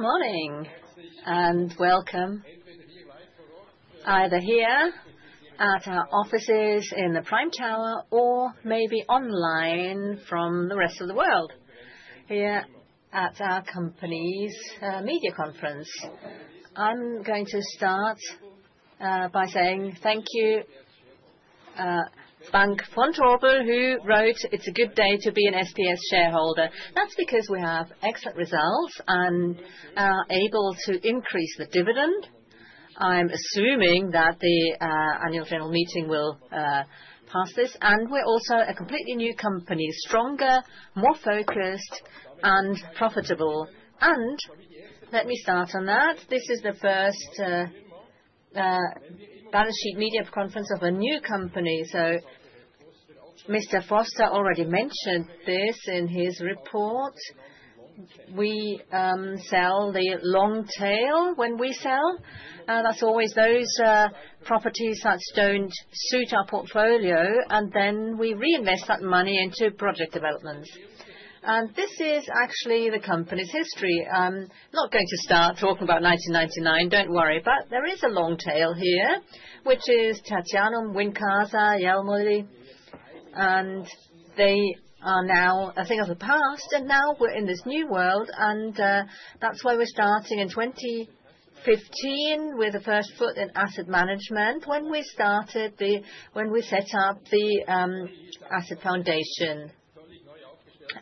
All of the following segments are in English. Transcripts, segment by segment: Good morning and welcome, either here at our offices in the Prime Tower or maybe online from the rest of the world, here at our company's media conference. I'm going to start by saying thank you to Bank Vontobel, who wrote, "It's a good day to be an SPS shareholder." That's because we have excellent results and are able to increase the dividend. I'm assuming that the annual general meeting will pass this, and we're also a completely new company, stronger, more focused, and profitable, and let me start on that. This is the first balance sheet media conference of a new company, so Mr. Foster already mentioned this in his report. We sell the long tail when we sell. That's always those properties that don't suit our portfolio, and then we reinvest that money into project developments, and this is actually the company's history. I'm not going to start talking about 1999, don't worry, but there is a long tail here, which is Tertianum, Wincasa, Jelmoli, and they are now, I think, of the past. And now we're in this new world, and that's why we're starting in 2015 with a first foot in asset management when we started, when we set up the asset foundation.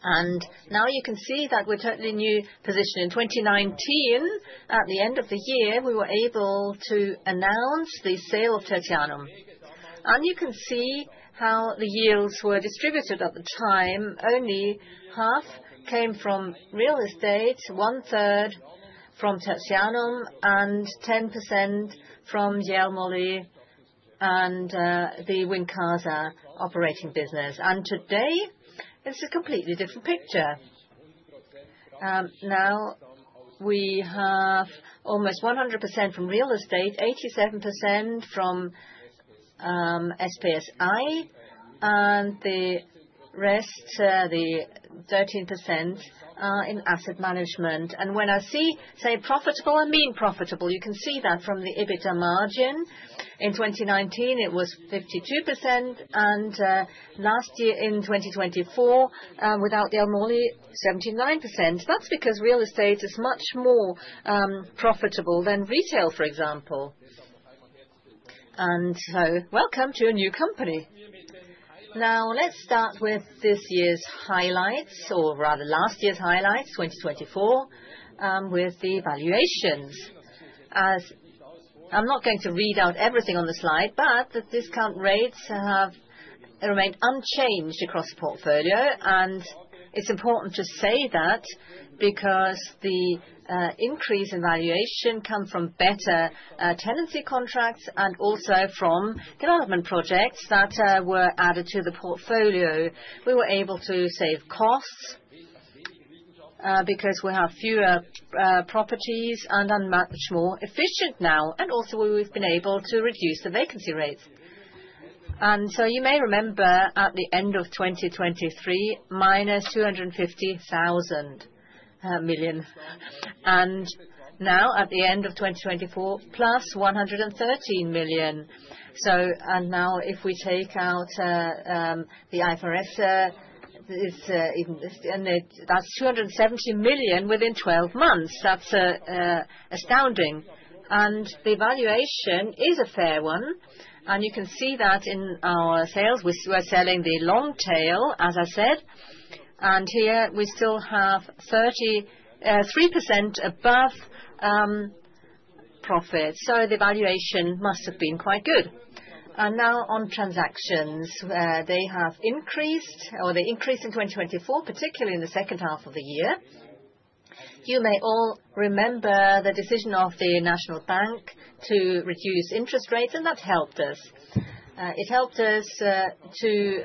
And now you can see that we're totally new position. In 2019, at the end of the year, we were able to announce the sale of Tertianum. And you can see how the yields were distributed at the time. Only half came from real estate, one third from Tertianum, and 10% from Jelmoli and the Wincasa operating business. And today, this is a completely different picture. Now we have almost 100% from real estate, 87% from SPSI, and the rest, the 13%, are in asset management. When I say profitable, I mean profitable. You can see that from the EBITDA margin. In 2019, it was 52%, and last year in 2024, without the Jelmoli, 79%. That's because real estate is much more profitable than retail, for example. And so, welcome to a new company. Now, let's start with this year's highlights, or rather last year's highlights, 2024, with the valuations. I'm not going to read out everything on the slide, but the discount rates have remained unchanged across the portfolio. And it's important to say that because the increase in valuation comes from better tenancy contracts and also from development projects that were added to the portfolio. We were able to save costs because we have fewer properties and are much more efficient now. And also, we've been able to reduce the vacancy rates. And so, you may remember at the end of 2023, -250 million, and now at the end of 2024, +113 million. So, and now if we take out the IFRS, that's 270 million within 12 months. That's astounding. And the valuation is a fair one. And you can see that in our sales. We were selling the long tail, as I said. And here, we still have 33% above profit. So, the valuation must have been quite good. And now on transactions, they have increased, or they increased in 2024, particularly in the second half of the year. You may all remember the decision of the Swiss National Bank to reduce interest rates, and that helped us. It helped us to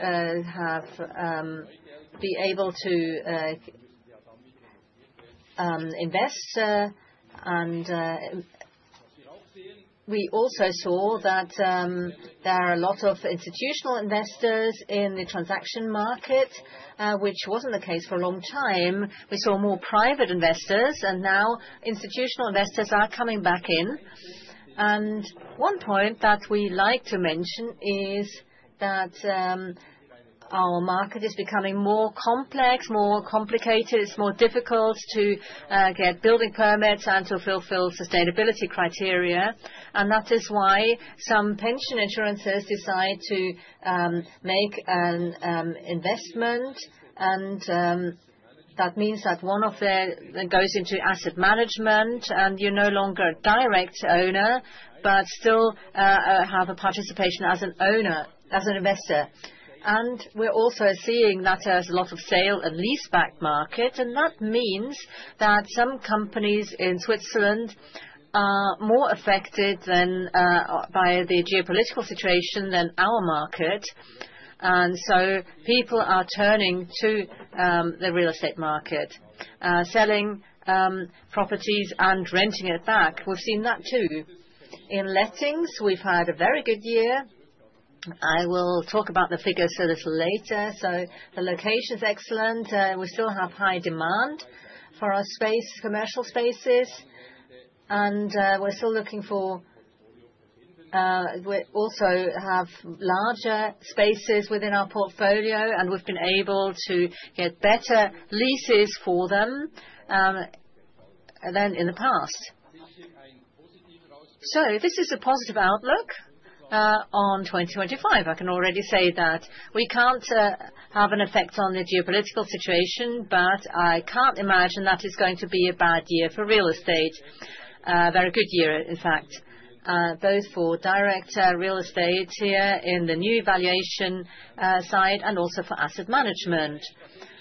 be able to invest. And we also saw that there are a lot of institutional investors in the transaction market, which wasn't the case for a long time. We saw more private investors, and now institutional investors are coming back in, and one point that we like to mention is that our market is becoming more complex, more complicated. It's more difficult to get building permits and to fulfill sustainability criteria, and that is why some pension insurances decide to make an investment, and that means that one of them goes into asset management, and you're no longer a direct owner, but still have a participation as an owner, as an investor. And we're also seeing that there's a lot of sale and lease-back market, and that means that some companies in Switzerland are more affected by the geopolitical situation than our market, and so, people are turning to the real estate market, selling properties and renting it back. We've seen that too. In lettings, we've had a very good year. I will talk about the figures a little later. So, the location is excellent. We still have high demand for our space, commercial spaces. And we're still looking for, we also have larger spaces within our portfolio, and we've been able to get better leases for them than in the past. So, this is a positive outlook on 2025. I can already say that we can't have an effect on the geopolitical situation, but I can't imagine that it's going to be a bad year for real estate. A very good year, in fact, both for direct real estate here in the new valuation side and also for asset management.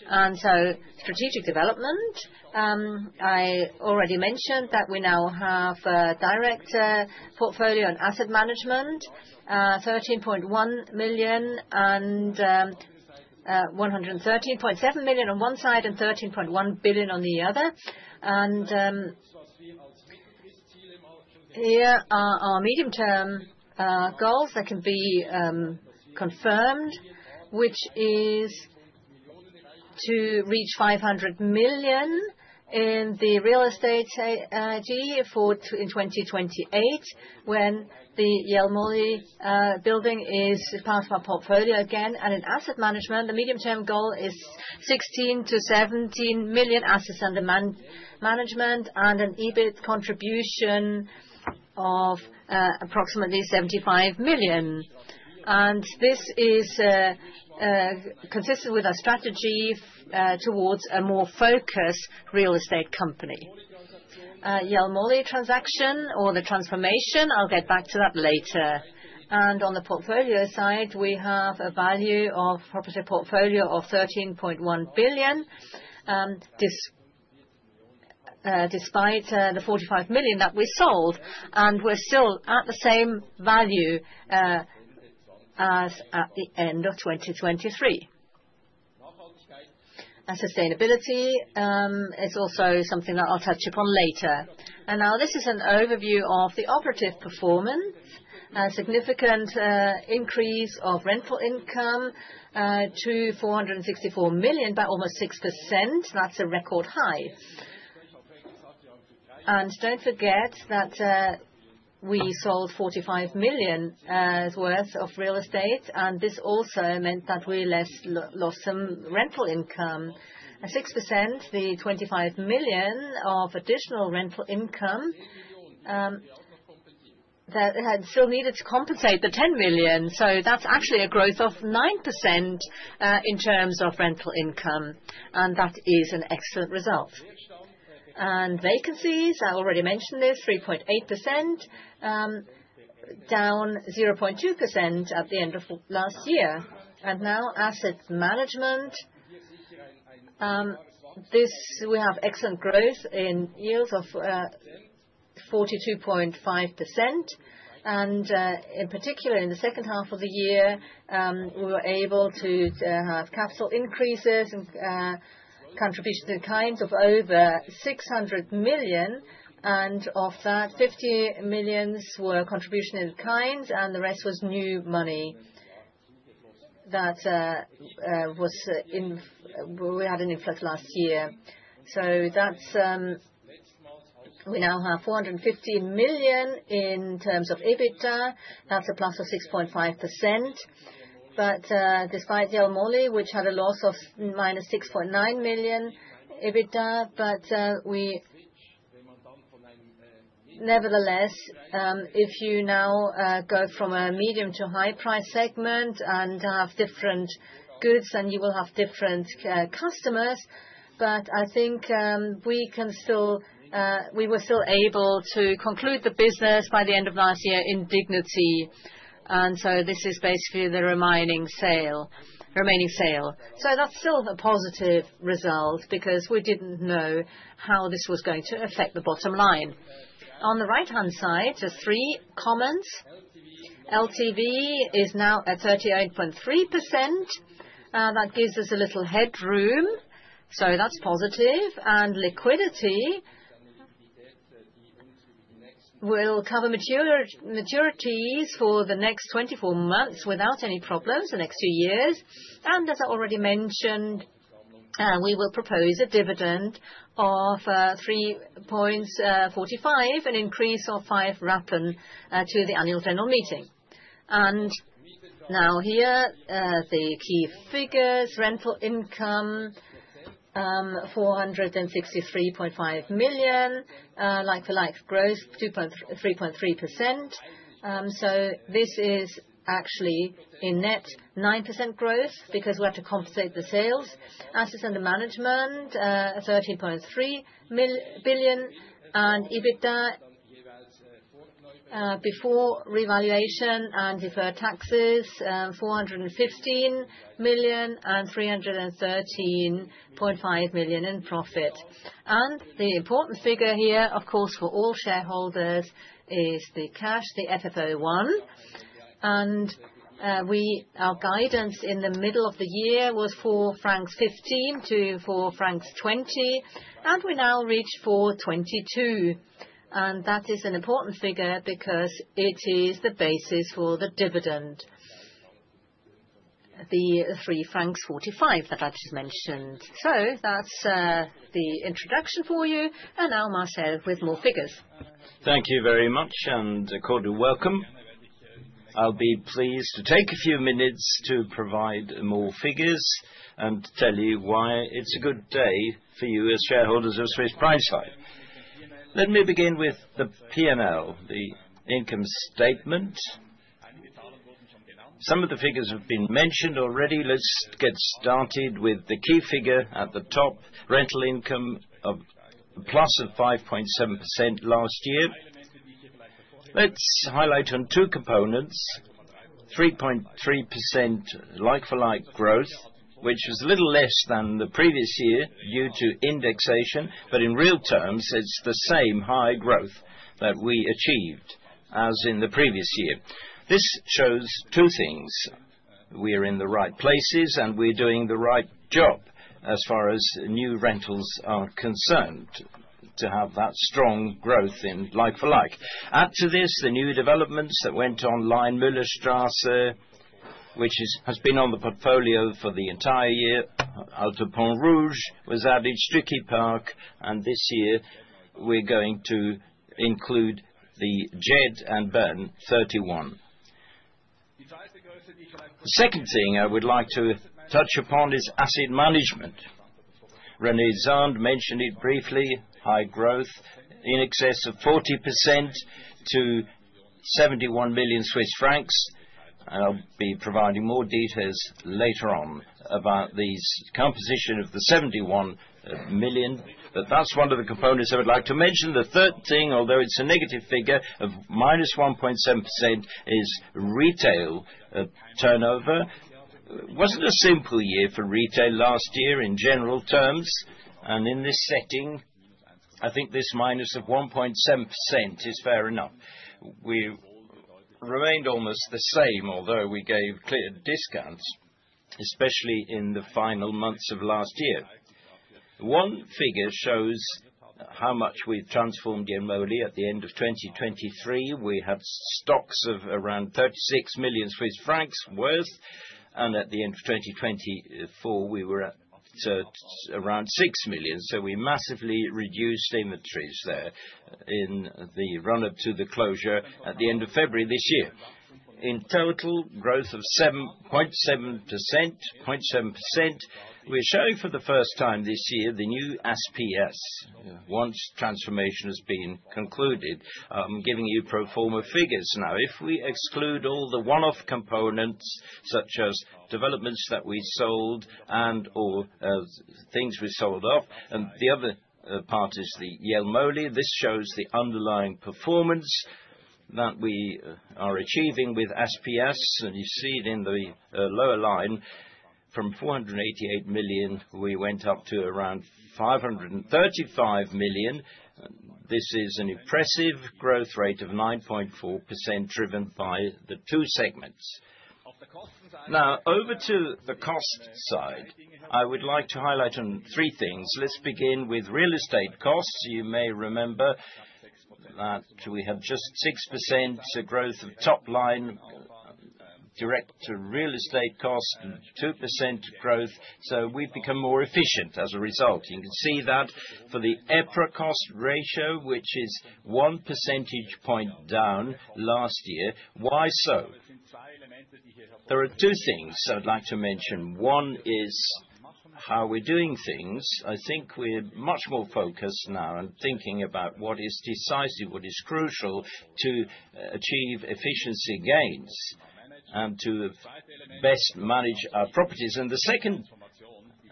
And so, strategic development, I already mentioned that we now have a direct portfolio and asset management, 13.1 million and 113.7 million on one side and 13.1 billion on the other. Here are our medium-term goals that can be confirmed, which is to reach 500 million in the real estate Gefäss in 2028, when the Jelmoli building is part of our portfolio again. In asset management, the medium-term goal is 16 million-17 million assets under management and an EBIT contribution of approximately 75 million. This is consistent with our strategy towards a more focused real estate company. Jelmoli transaction or the transformation, I'll get back to that later. On the portfolio side, we have a value of property portfolio of 13.1 billion, despite the 45 million that we sold. We're still at the same value as at the end of 2023. Sustainability is also something that I'll touch upon later. Now this is an overview of the operative performance. A significant increase of rental income to 464 million by almost 6%. That's a record high, and don't forget that we sold 45 million worth of real estate, and this also meant that we lost some rental income, 6%, the 25 million of additional rental income that still needed to compensate the 10 million, so that's actually a growth of 9% in terms of rental income, and that is an excellent result, and vacancies, I already mentioned this, 3.8%, down 0.2% at the end of last year, and now asset management, we have excellent growth in yields of 42.5%. And in particular, in the second half of the year, we were able to have capital increases and contributions in kind of over 600 million, and of that, 50 million were contributions in kind, and the rest was new money that we had an influx last year, so we now have 450 million in terms of EBITDA, that's a plus of 6.5%. But despite Jelmoli, which had a loss of minus 6.9 million EBITDA, but nevertheless, if you now go from a medium to high price segment and have different goods, then you will have different customers. But I think we were still able to conclude the business by the end of last year in dignity. And so this is basically the remaining sale. So that's still a positive result because we didn't know how this was going to affect the bottom line. On the right-hand side, just three comments. LTV is now at 38.3%. That gives us a little headroom. So that's positive. And liquidity will cover maturities for the next 24 months without any problems the next two years. And as I already mentioned, we will propose a dividend of 3.45, an increase of 0.05 to the annual general meeting. And now, here the key figures: rental income, CHF 463.5 million, like-for-like growth, 3.3%. So this is actually in net 9% growth because we have to compensate the sales. Assets under management, 13.3 billion. And EBITDA before revaluation and deferred taxes, 415 million and 313.5 million in profit. And the important figure here, of course, for all shareholders is the cash, the FFO1. And our guidance in the middle of the year was 4.15-4.20, and we now reached 4.22. And that is an important figure because it is the basis for the dividend, the 3.45 that I just mentioned. So that's the introduction for you. And now, Marcel, with more figures. Thank you very much and a cordial welcome. I'll be pleased to take a few minutes to provide more figures and to tell you why it's a good day for you as shareholders of Swiss Prime Site. Let me begin with the P&L, the income statement. Some of the figures have been mentioned already. Let's get started with the key figure at the top, rental income of plus of 5.7% last year. Let's highlight on two components, 3.3% like-for-like growth, which was a little less than the previous year due to indexation, but in real terms, it's the same high growth that we achieved as in the previous year. This shows two things. We are in the right places and we're doing the right job as far as new rentals are concerned to have that strong growth in like-for-like. Add to this the new developments that went on, Müllerstrasse, which has been on the portfolio for the entire year. Alto Pont-Rouge was added, Stücki Park, and this year we're going to include the JED and BERN 131. The second thing I would like to touch upon is asset management. René Zahnd mentioned it briefly, high growth, in excess of 40% to 71 million Swiss francs. And I'll be providing more details later on about the composition of the 71 million. But that's one of the components I would like to mention. The third thing, although it's a negative figure of minus 1.7%, is retail turnover. It wasn't a simple year for retail last year in general terms. And in this setting, I think this minus of 1.7% is fair enough. We remained almost the same, although we gave clear discounts, especially in the final months of last year. One figure shows how much we've transformed Jelmoli at the end of 2023. We had stocks of around 36 million Swiss francs worth. And at the end of 2024, we were at around 6 million. So we massively reduced inventories there in the run-up to the closure at the end of February this year. In total, growth of 7.7%. We're showing for the first time this year the new SPS, once transformation has been concluded. I'm giving you pro forma figures. Now, if we exclude all the one-off components, such as developments that we sold and/or things we sold off, and the other part is the Jelmoli, this shows the underlying performance that we are achieving with SPS. And you see it in the lower line. From 488 million, we went up to around 535 million. This is an impressive growth rate of 9.4% driven by the two segments. Now, over to the cost side, I would like to highlight three things. Let's begin with real estate costs. You may remember that we have just 6% growth of top line direct to real estate cost and 2% growth. So we've become more efficient as a result. You can see that for the EPRA cost ratio, which is one percentage point down last year. Why so? There are two things I'd like to mention. One is how we're doing things. I think we're much more focused now and thinking about what is decisive, what is crucial to achieve efficiency gains and to best manage our properties. And the second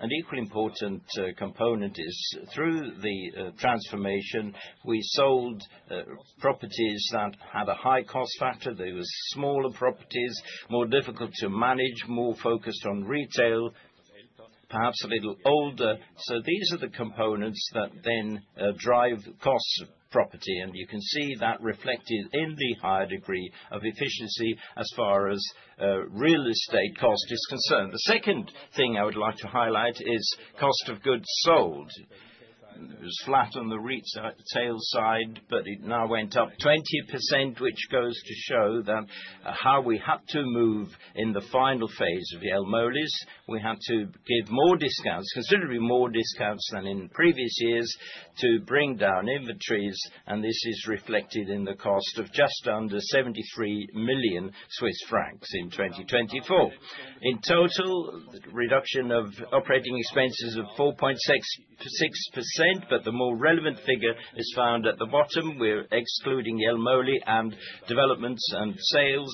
and equally important component is through the transformation, we sold properties that had a high cost factor. They were smaller properties, more difficult to manage, more focused on retail, perhaps a little older. So these are the components that then drive the cost of property. You can see that reflected in the higher degree of efficiency as far as real estate cost is concerned. The second thing I would like to highlight is cost of goods sold. It was flat on the retail side, but it now went up 20%, which goes to show that how we had to move in the final phase of Jelmoli's, we had to give more discounts, considerably more discounts than in previous years to bring down inventories. This is reflected in the cost of just under 73 million Swiss francs in 2024. In total, the reduction of operating expenses of 4.6%, but the more relevant figure is found at the bottom. We're excluding Jelmoli and developments and sales,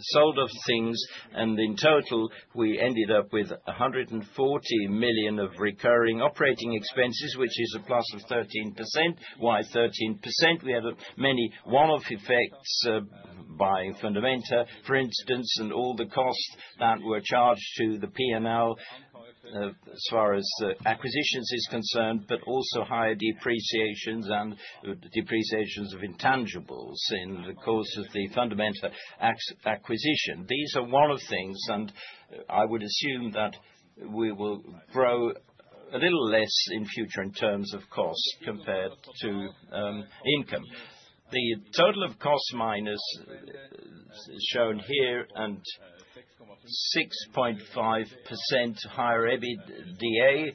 sold of things. In total, we ended up with 140 million of recurring operating expenses, which is a plus of 13%. Why 13%? We have many one-off effects by Fundamenta, for instance, and all the costs that were charged to the P&L as far as acquisitions is concerned, but also higher depreciations and depreciations of intangibles in the course of the Fundamenta acquisition. These are one-off things, and I would assume that we will grow a little less in future in terms of cost compared to income. The total of cost minus shown here and 6.5% higher EBITDA.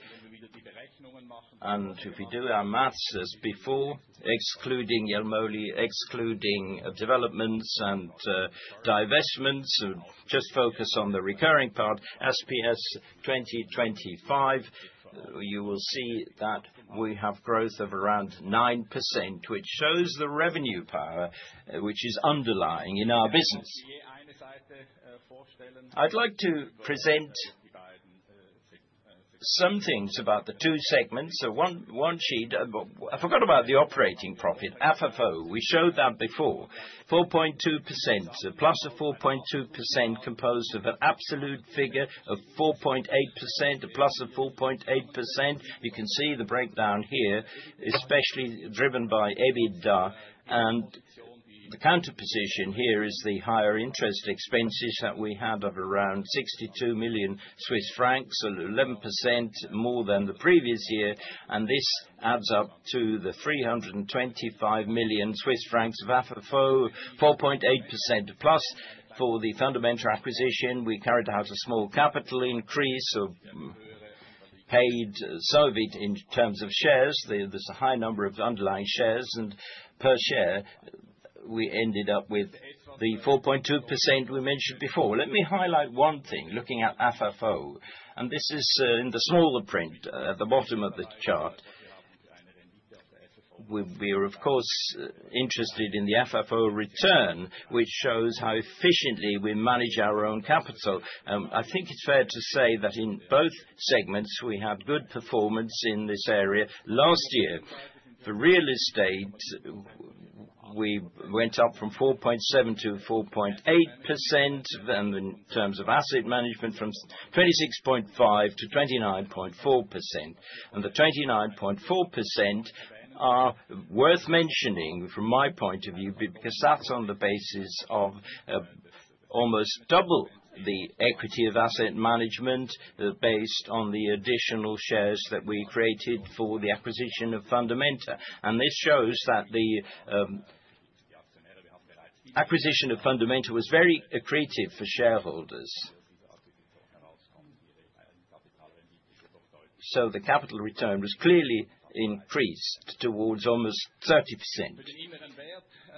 And if we do our math as before, excluding Jelmoli, excluding developments and divestments, just focus on the recurring part, SPS 2025, you will see that we have growth of around 9%, which shows the revenue power, which is underlying in our business. I'd like to present some things about the two segments. So one sheet, I forgot about the operating profit, FFO. We showed that before. 4.2%, plus of 4.2% composed of an absolute figure of 4.8%, plus of 4.8%. You can see the breakdown here, especially driven by EBITDA. And the counterposition here is the higher interest expenses that we had of around 62 million Swiss francs, so 11% more than the previous year. And this adds up to the 325 million Swiss francs of FFO, 4.8% plus for the Fundamenta acquisition. We carried out a small capital increase of paid-in capital in terms of shares. There's a high number of underlying shares, and per share, we ended up with the 4.2% we mentioned before. Let me highlight one thing looking at FFO. And this is in the smaller print at the bottom of the chart. We were, of course, interested in the FFO return, which shows how efficiently we manage our own capital. I think it's fair to say that in both segments, we had good performance in this area. Last year, for real estate, we went up from 4.7% to 4.8%, and in terms of asset management, from 26.5% to 29.4%. And the 29.4% are worth mentioning from my point of view because that's on the basis of almost double the equity of asset management based on the additional shares that we created for the acquisition of Fundamenta. And this shows that the acquisition of Fundamenta was very accretive for shareholders. So the capital return was clearly increased towards almost 30%.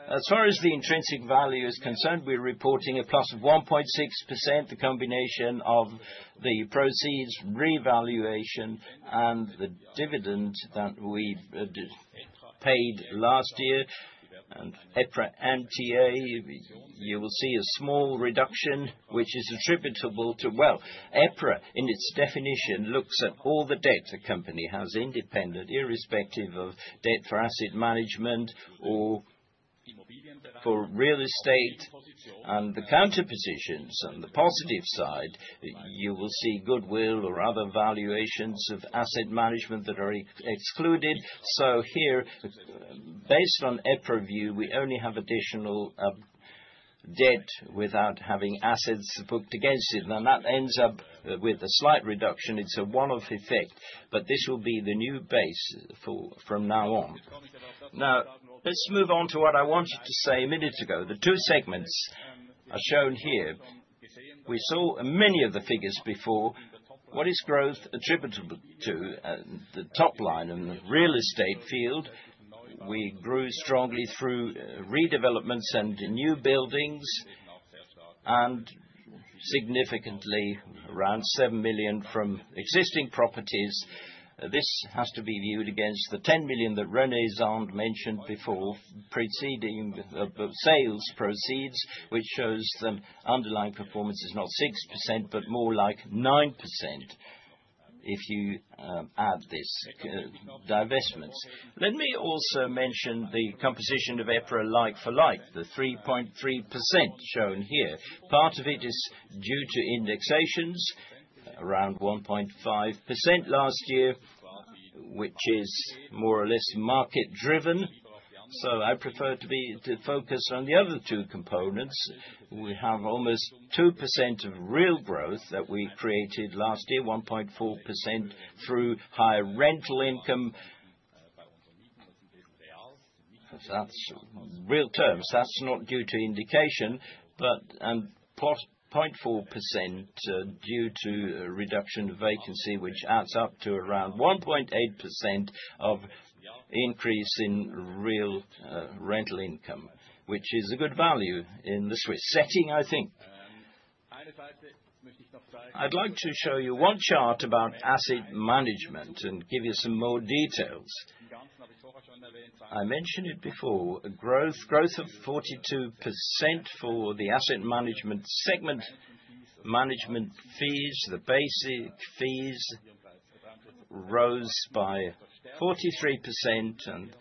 As far as the intrinsic value is concerned, we're reporting a plus of 1.6%, the combination of the proceeds, revaluation, and the dividend that we paid last year. EPRA NTA, you will see a small reduction, which is attributable to, well, EPRA in its definition looks at all the debt a company has independent, irrespective of debt for asset management or for real estate. The counterpositions on the positive side, you will see goodwill or other valuations of asset management that are excluded. So here, based on EPRA view, we only have additional debt without having assets booked against it. That ends up with a slight reduction. It's a one-off effect, but this will be the new base from now on. Now, let's move on to what I wanted to say a minute ago. The two segments are shown here. We saw many of the figures before. What is growth attributable to the top line and the real estate field? We grew strongly through redevelopments and new buildings and significantly around 7 million from existing properties. This has to be viewed against the 10 million that René Zahnd mentioned before, preceding sales proceeds, which shows the underlying performance is not 6%, but more like 9% if you add this divestment. Let me also mention the composition of EPRA like-for-like, the 3.3% shown here. Part of it is due to indexations, around 1.5% last year, which is more or less market-driven. So I prefer to focus on the other two components. We have almost 2% of real growth that we created last year, 1.4% through higher rental income. That's real terms. That's not due to indexation, but 0.4% due to reduction of vacancy, which adds up to around 1.8% of increase in real rental income, which is a good value in the Swiss setting, I think. I'd like to show you one chart about asset management and give you some more details. I mentioned it before, growth, growth of 42% for the asset management segment, management fees, the basic fees rose by 43%, and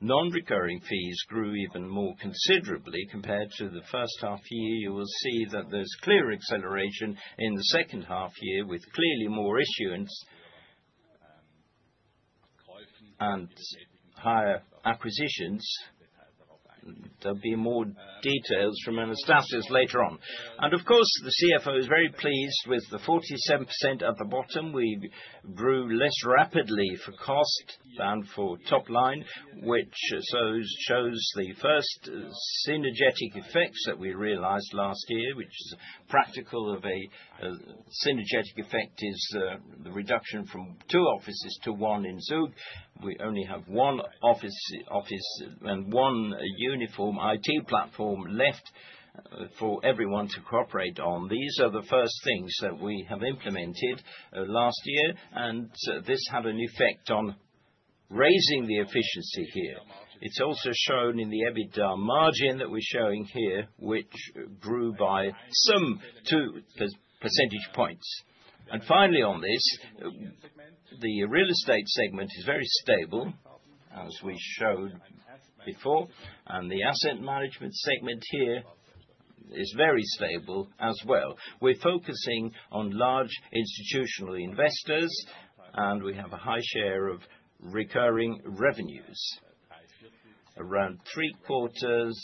non-recurring fees grew even more considerably compared to the first half year. You will see that there's clear acceleration in the second half year with clearly more issuance and higher acquisitions. There'll be more details from Anastasius later on. And of course, the CFO is very pleased with the 47% at the bottom. We grew less rapidly for cost than for top line, which shows the first synergetic effects that we realized last year, which is practical of a synergetic effect is the reduction from two offices to one in Zug. We only have one office and one uniform IT platform left for everyone to cooperate on. These are the first things that we have implemented last year, and this had an effect on raising the efficiency here. It's also shown in the EBITDA margin that we're showing here, which grew by some 2 percentage points, and finally on this, the real estate segment is very stable, as we showed before, and the asset management segment here is very stable as well. We're focusing on large institutional investors, and we have a high share of recurring revenues. Around three quarters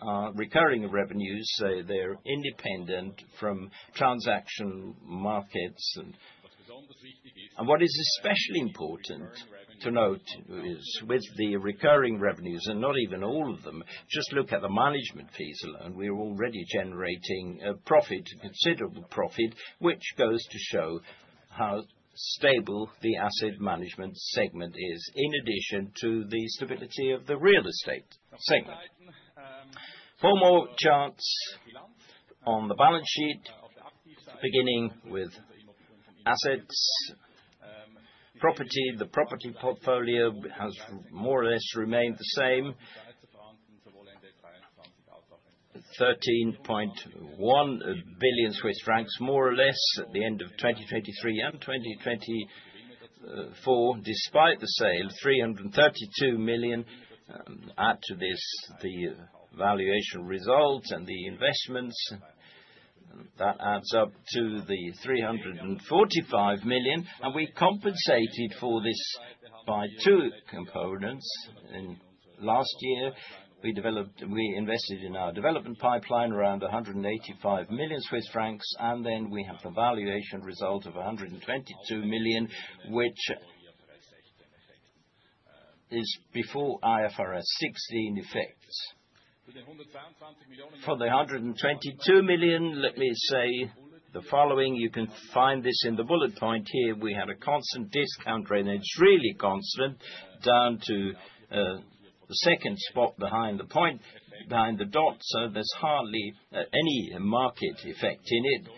are recurring revenues, so they're independent from transaction markets. And what is especially important to note is with the recurring revenues, and not even all of them, just look at the management fees alone, we're already generating a profit, considerable profit, which goes to show how stable the asset management segment is, in addition to the stability of the real estate segment. Four more charts on the balance sheet, beginning with assets, property. The property portfolio has more or less remained the same, 13.1 billion Swiss francs, more or less at the end of 2023 and 2024, despite the sale, 332 million. Add to this the valuation results and the investments. That adds up to the 345 million, and we compensated for this by two components. Last year, we invested in our development pipeline around 185 million Swiss francs, and then we have the valuation result of 122 million, which is before IFRS 16 effects. For the 122 million, let me say the following. You can find this in the bullet point here. We had a constant discount rate, and it's really constant, down to the second spot behind the point, behind the dot, so there's hardly any market effect in it.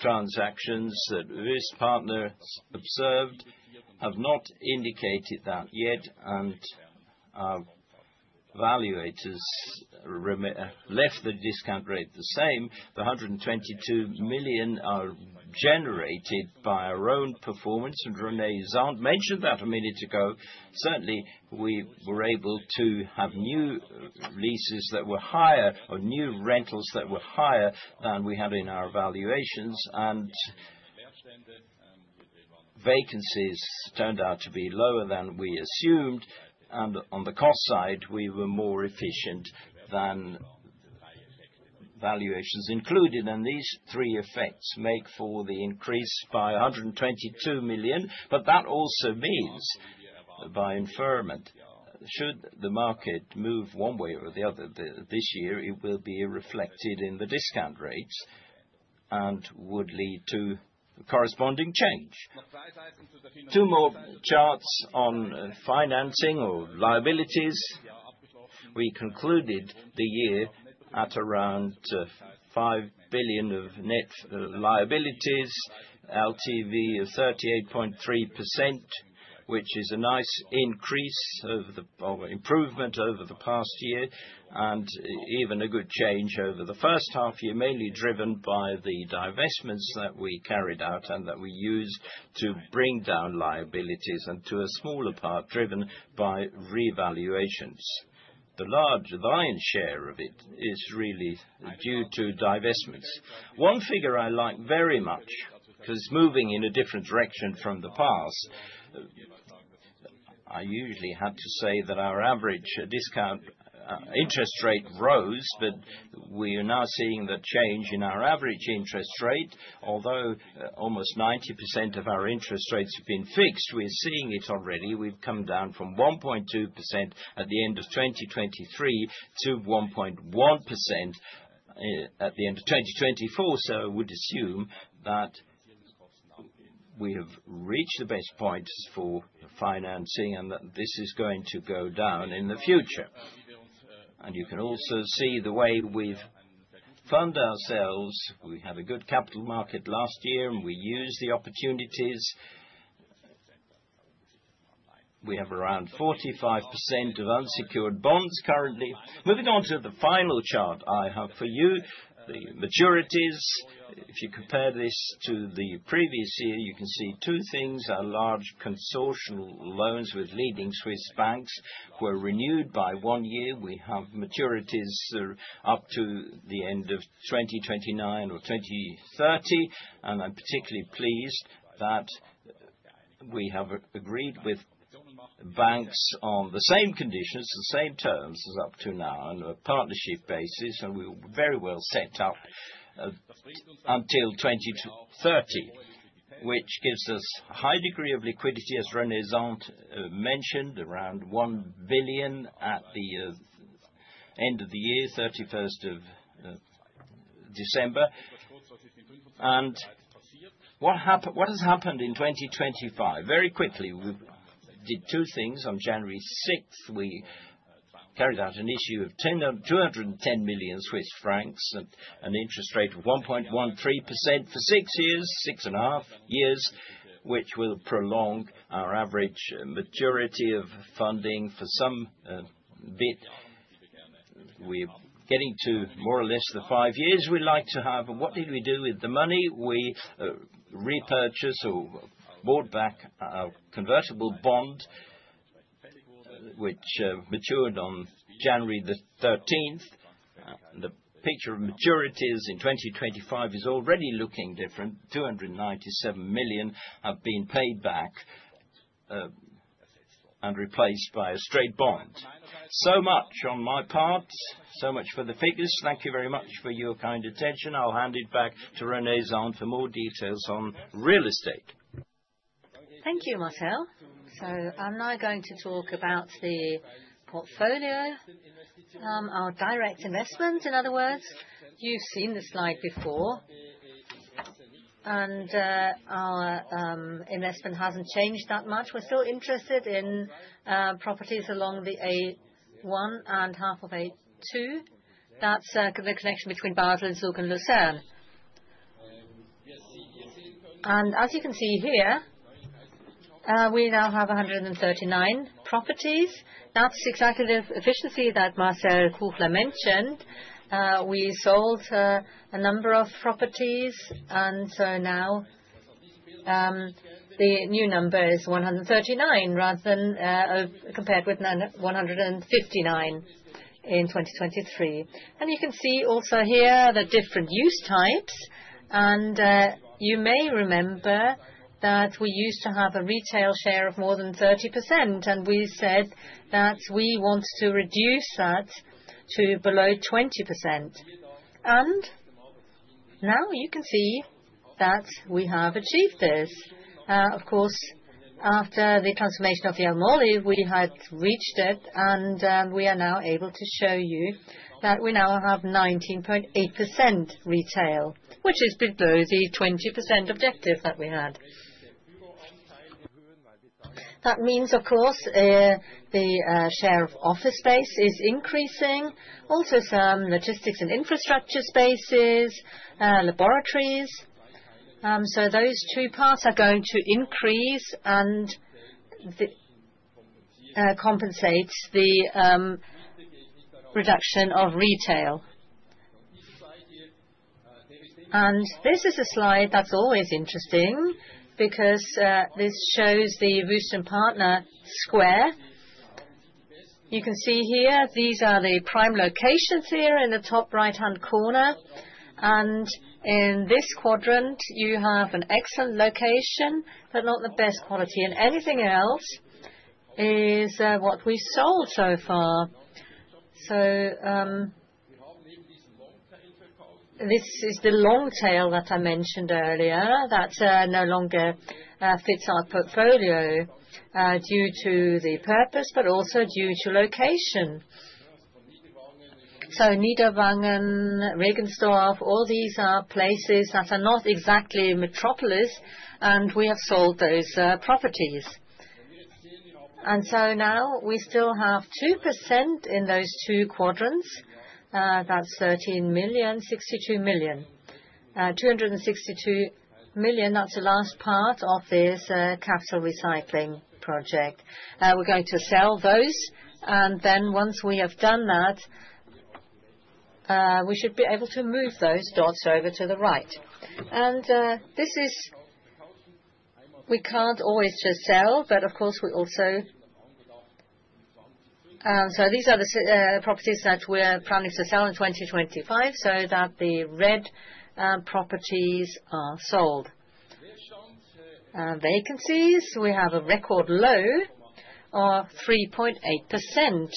Transactions that this partner observed have not indicated that yet, and our valuators left the discount rate the same. The 122 million are generated by our own performance, and René Zahnd mentioned that a minute ago. Certainly, we were able to have new leases that were higher or new rentals that were higher than we had in our valuations, and vacancies turned out to be lower than we assumed. And on the cost side, we were more efficient than valuations included. And these three effects make for the increase by 122 million. But that also means, by inference, should the market move one way or the other this year, it will be reflected in the discount rates and would lead to corresponding change. Two more charts on financing or liabilities. We concluded the year at around 5 billion of net liabilities, LTV of 38.3%, which is a nice increase or improvement over the past year and even a good change over the first half year, mainly driven by the divestments that we carried out and that we used to bring down liabilities and to a smaller part driven by revaluations. The large lion's share of it is really due to divestments. One figure I like very much because moving in a different direction from the past, I usually had to say that our average discount interest rate rose, but we are now seeing the change in our average interest rate. Although almost 90% of our interest rates have been fixed, we're seeing it already. We've come down from 1.2% at the end of 2023 to 1.1% at the end of 2024. I would assume that we have reached the best point for financing and that this is going to go down in the future. And you can also see the way we've funded ourselves. We had a good capital market last year, and we used the opportunities. We have around 45% of unsecured bonds currently. Moving on to the final chart I have for you, the maturities. If you compare this to the previous year, you can see two things. Our large syndicated loans with leading Swiss banks were renewed by one year. We have maturities up to the end of 2029 or 2030. And I'm particularly pleased that we have agreed with banks on the same conditions, the same terms as up to now, and a partnership basis. We were very well set up until 2030, which gives us a high degree of liquidity, as René Zahnd mentioned, around 1 billion at the end of the year, 31st of December. What has happened in 2025? Very quickly, we did two things. On January 6th, we carried out an issue of 210 million Swiss francs and an interest rate of 1.13% for six years, six and a half years, which will prolong our average maturity of funding for some bit. We're getting to more or less the five years we'd like to have. What did we do with the money? We repurchased or bought back our convertible bond, which matured on January the 13th. The picture of maturities in 2025 is already looking different. 297 million have been paid back and replaced by a straight bond. So much on my part, so much for the figures. Thank you very much for your kind attention. I'll hand it back to René Zahnd for more details on real estate. Thank you, Marcel. So I'm now going to talk about the portfolio, our direct investment, in other words. You've seen the slide before, and our investment hasn't changed that much. We're still interested in properties along the A1 and half of A2. That's the connection between Basel, Zug, and Lucerne. And as you can see here, we now have 139 properties. That's exactly the efficiency that Marcel Kuchler mentioned. We sold a number of properties, and so now the new number is 139 rather than, compared with 159 in 2023. And you can see also here the different use types. And you may remember that we used to have a retail share of more than 30%, and we said that we want to reduce that to below 20%. And now you can see that we have achieved this. Of course, after the transformation of the Jelmoli, we had reached it, and we are now able to show you that we now have 19.8% retail, which is below the 20% objective that we had. That means, of course, the share of office space is increasing, also some logistics and infrastructure spaces, laboratories. So those two parts are going to increase and compensate the reduction of retail. And this is a slide that's always interesting because this shows the Wüest & Partner square. You can see here, these are the prime locations here in the top right-hand corner. And in this quadrant, you have an excellent location, but not the best quality. And anything else is what we sold so far. So this is the long tail that I mentioned earlier that no longer fits our portfolio due to the purpose, but also due to location. So Niederwangen, Regensdorf, all these are places that are not exactly metropolis, and we have sold those properties. And so now we still have 2% in those two quadrants. That's 13 million, 62 million. 262 million, that's the last part of this capital recycling project. We're going to sell those, and then once we have done that, we should be able to move those dots over to the right. And this is we can't always just sell, but of course, we also these are the properties that we're planning to sell in 2025 so that the red properties are sold. Vacancies, we have a record low of 3.8%.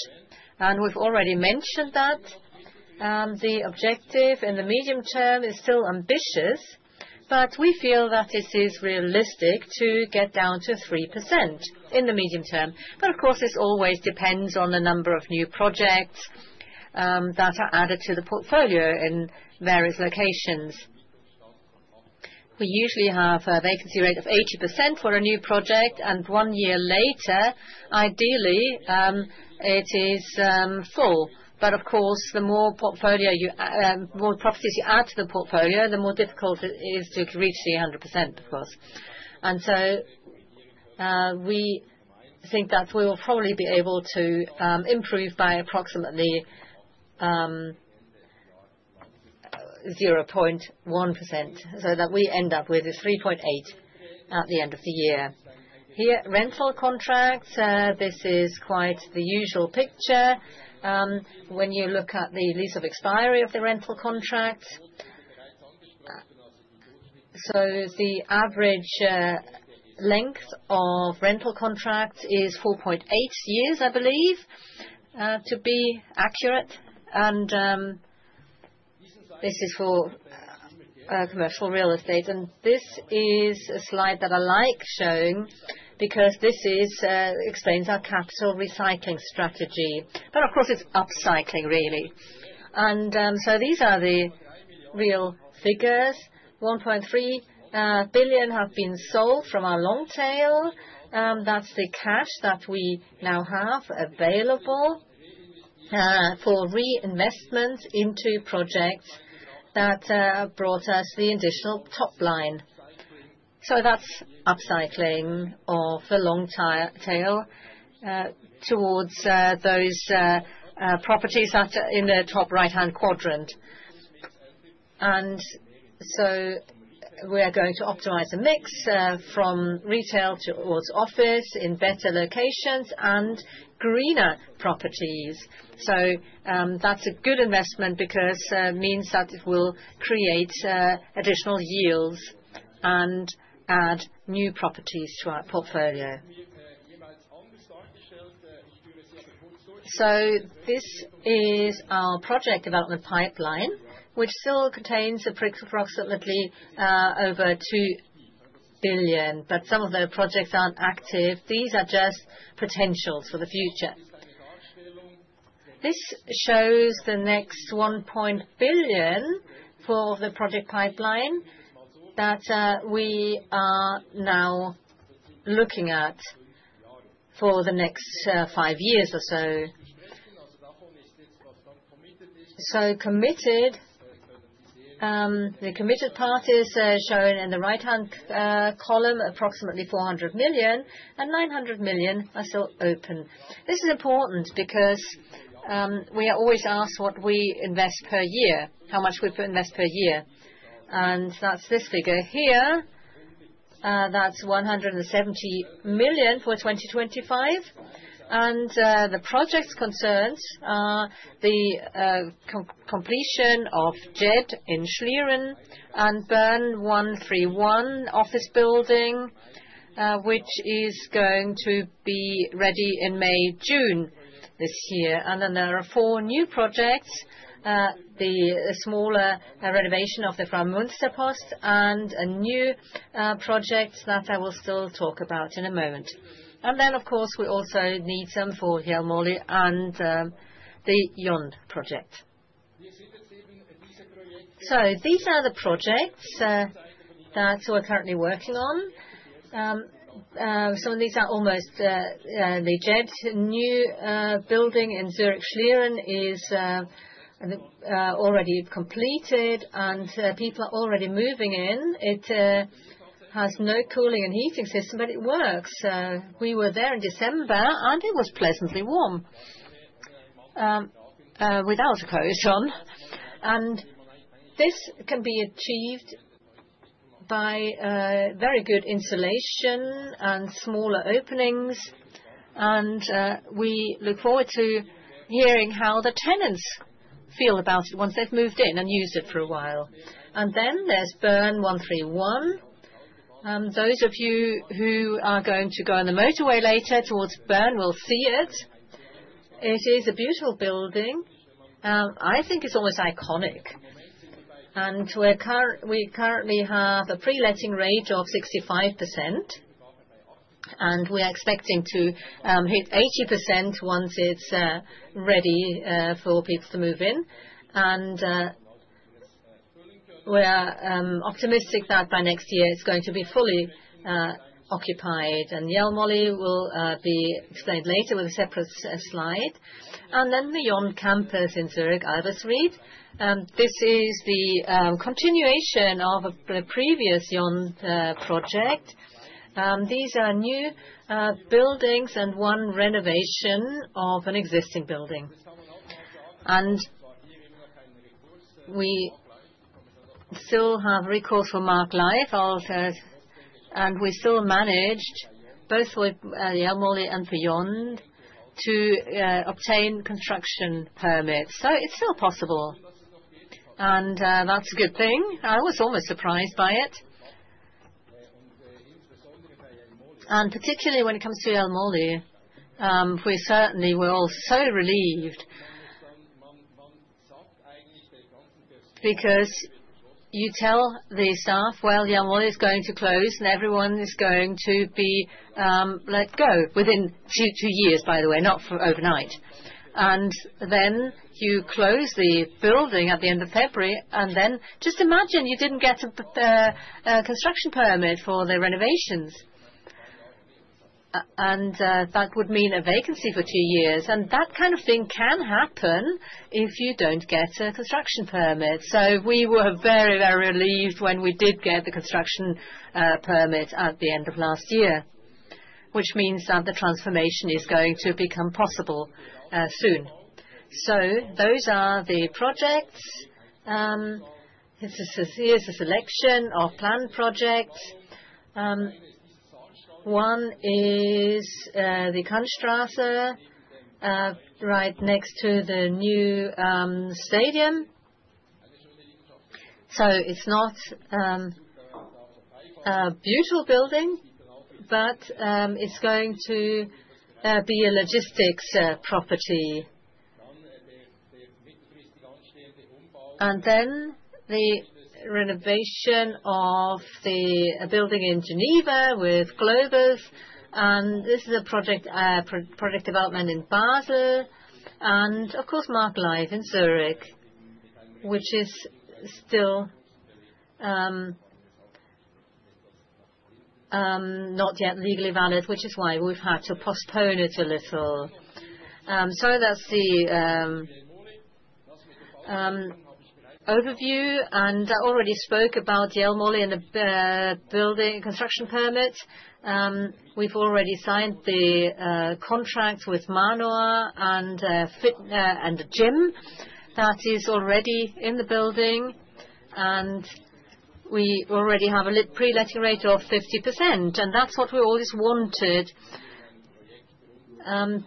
We've already mentioned that the objective in the medium term is still ambitious, but we feel that this is realistic to get down to 3% in the medium term. But of course, this always depends on the number of new projects that are added to the portfolio in various locations. We usually have a vacancy rate of 80% for a new project, and one year later, ideally, it is full. But of course, the more properties you add to the portfolio, the more difficult it is to reach the 100%, of course. And so we think that we will probably be able to improve by approximately 0.1% so that we end up with 3.8% at the end of the year. Here, rental contracts, this is quite the usual picture. When you look at the lease of expiry of the rental contracts, so the average length of rental contracts is 4.8 years, I believe, to be accurate, and this is for commercial real estate, and this is a slide that I like showing because this explains our capital recycling strategy, but of course, it's upcycling, really, and so these are the real figures. 1.3 billion have been sold from our long tail. That's the cash that we now have available for reinvestment into projects that brought us the additional top line, so that's upcycling of the long tail towards those properties in the top right-hand quadrant, and so we are going to optimize the mix from retail towards office in better locations and greener properties, so that's a good investment because it means that it will create additional yields and add new properties to our portfolio. So this is our project development pipeline, which still contains approximately over 2 billion, but some of the projects aren't active. These are just potentials for the future. This shows the next 1.1 billion for the project pipeline that we are now looking at for the next five years or so. So committed, the committed part is shown in the right-hand column, approximately 400 million, and 900 million are still open. This is important because we are always asked what we invest per year, how much we invest per year. And that's this figure here. That's 170 million for 2025. And the projects concern the completion of JED in Schlieren and BERN 131 office building, which is going to be ready in May, June this year. And then there are four new projects, the smaller renovation of the Fraumünsterpost and a new project that I will still talk about in a moment. And then, of course, we also need some for the Jelmoli and the YOND project. So these are the projects that we're currently working on. So these are almost the JED new building in Zurich, Schlieren is already completed, and people are already moving in. It has no cooling and heating system, but it works. We were there in December, and it was pleasantly warm without a cold sun. And this can be achieved by very good insulation and smaller openings. And we look forward to hearing how the tenants feel about it once they've moved in and used it for a while. And then there's BERN 131. Those of you who are going to go on the motorway later towards BERN will see it. It is a beautiful building. I think it's almost iconic. And we currently have a pre-letting rate of 65%, and we are expecting to hit 80% once it's ready for people to move in. And we are optimistic that by next year, it's going to be fully occupied. And the Jelmoli will be explained later with a separate slide. And then the YOND campus in Zurich-Albisrieden. This is the continuation of a previous YOND project. These are new buildings and one renovation of an existing building. And we still have recourse for Maaglive, and we still managed, both with the Jelmoli and the YOND, to obtain construction permits. So it's still possible. And that's a good thing. I was almost surprised by it. Particularly when it comes to Jelmoli, we certainly were all so relieved because you tell the staff, well, the Jelmoli is going to close and everyone is going to be let go within two years, by the way, not overnight. And then you close the building at the end of February, and then just imagine you didn't get a construction permit for the renovations. And that would mean a vacancy for two years. And that kind of thing can happen if you don't get a construction permit. So we were very, very relieved when we did get the construction permit at the end of last year, which means that the transformation is going to become possible soon. So those are the projects. Here's a selection of planned projects. One is the Vulkanstrasse right next to the new stadium. So it's not a beautiful building, but it's going to be a logistics property. And then the renovation of the building in Geneva with Globus. And this is a project development in Basel. And of course, Maaglive in Zurich, which is still not yet legally valid, which is why we've had to postpone it a little. So that's the overview. And I already spoke about the Jelmoli and the building construction permit. We've already signed the contract with Manor and the gym that is already in the building. And we already have a pre-letting rate of 50%. And that's what we always wanted,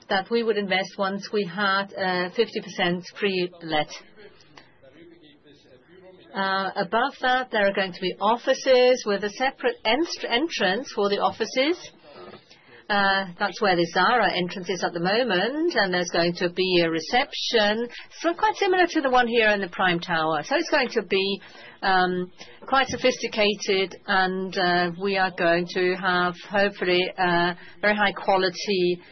that we would invest once we had 50% pre-let. Above that, there are going to be offices with a separate entrance for the offices. That's where the Zara entrance is at the moment. There's going to be a reception, quite similar to the one here in the Prime Tower. So it's going to be quite sophisticated, and we are going to have, hopefully, very high-quality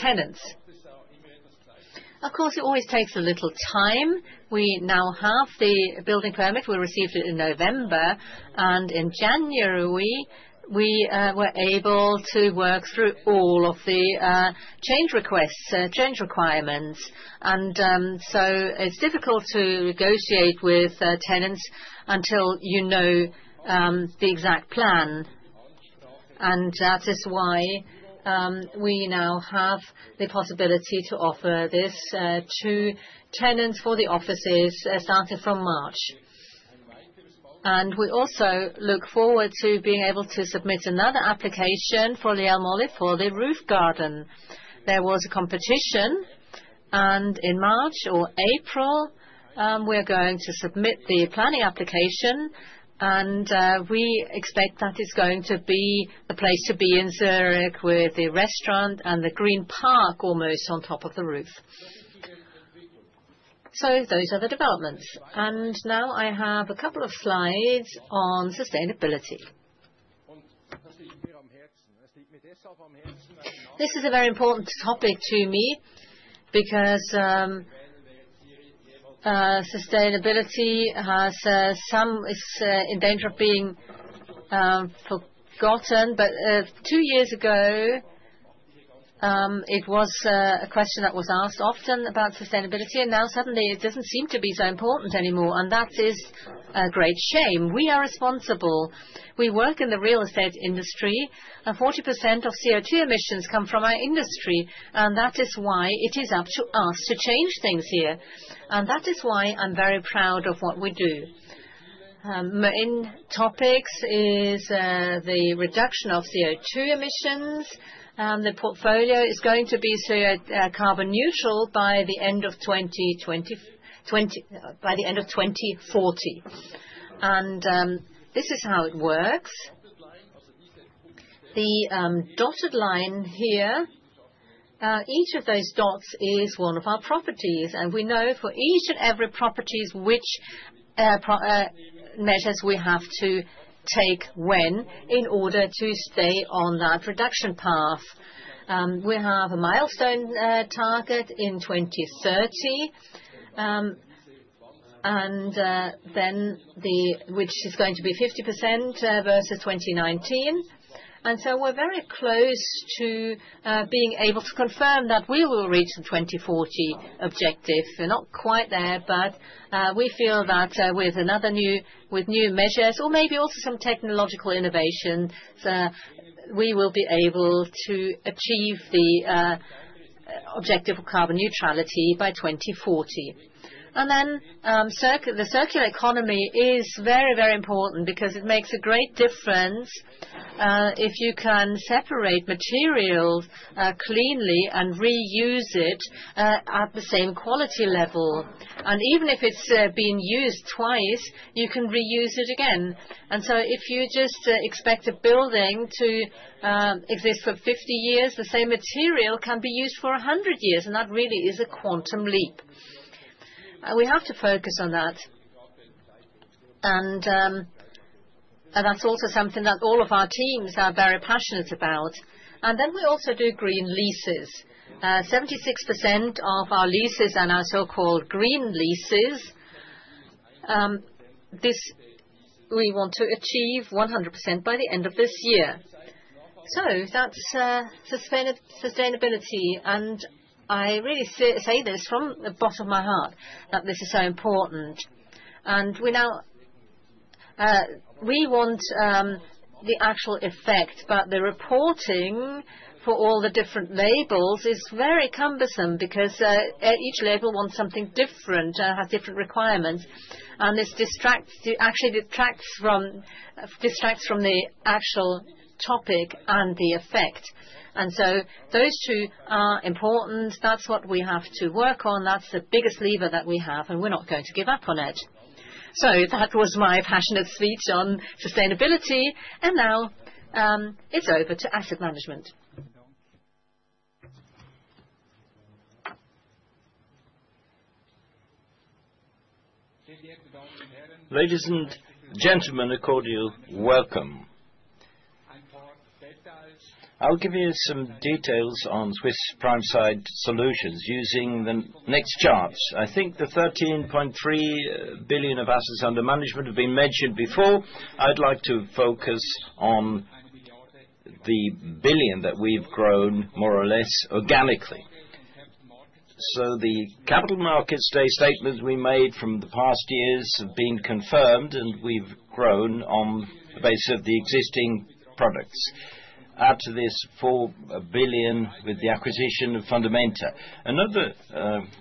tenants. Of course, it always takes a little time. We now have the building permit. We received it in November. And in January, we were able to work through all of the change requests, change requirements. And so it's difficult to negotiate with tenants until you know the exact plan. And that is why we now have the possibility to offer this to tenants for the offices starting from March. And we also look forward to being able to submit another application for the Jelmoli for the roof garden. There was a competition. And in March or April, we are going to submit the planning application. We expect that it's going to be the place to be in Zurich with the restaurant and the green park almost on top of the roof. Those are the developments. Now I have a couple of slides on sustainability. This is a very important topic to me because sustainability is in danger of being forgotten. Two years ago, it was a question that was asked often about sustainability. Now suddenly, it doesn't seem to be so important anymore. That is a great shame. We are responsible. We work in the real estate industry. 40% of CO2 emissions come from our industry. That is why it is up to us to change things here. That is why I'm very proud of what we do. Main topics is the reduction of CO2 emissions. And the portfolio is going to be carbon neutral by the end of 2040. And this is how it works. The dotted line here, each of those dots is one of our properties. And we know for each and every property which measures we have to take when in order to stay on that reduction path. We have a milestone target in 2030, which is going to be 50% versus 2019. And so we're very close to being able to confirm that we will reach the 2040 objective. We're not quite there, but we feel that with new measures, or maybe also some technological innovations, we will be able to achieve the objective of carbon neutrality by 2040. And then the circular economy is very, very important because it makes a great difference if you can separate materials cleanly and reuse it at the same quality level. And even if it's been used twice, you can reuse it again. And so if you just expect a building to exist for 50 years, the same material can be used for 100 years. And that really is a quantum leap. We have to focus on that. And that's also something that all of our teams are very passionate about. And then we also do green leases. 76% of our leases are now so-called green leases. We want to achieve 100% by the end of this year. So that's sustainability. And I really say this from the bottom of my heart that this is so important. And we want the actual effect, but the reporting for all the different labels is very cumbersome because each label wants something different and has different requirements. And so those two are important. That's what we have to work on. That's the biggest lever that we have, and we're not going to give up on it. So that was my passionate speech on sustainability. And now it's over to asset management. Ladies and gentlemen, a cordial welcome. I'll give you some details on Swiss Prime Site Solutions using the next charts. I think the 13.3 billion of assets under management have been mentioned before. I'd like to focus on the billion that we've grown more or less organically. So the capital markets day statements we made from the past years have been confirmed, and we've grown on the basis of the existing products. Add to this 4 billion with the acquisition of Fundamenta. Another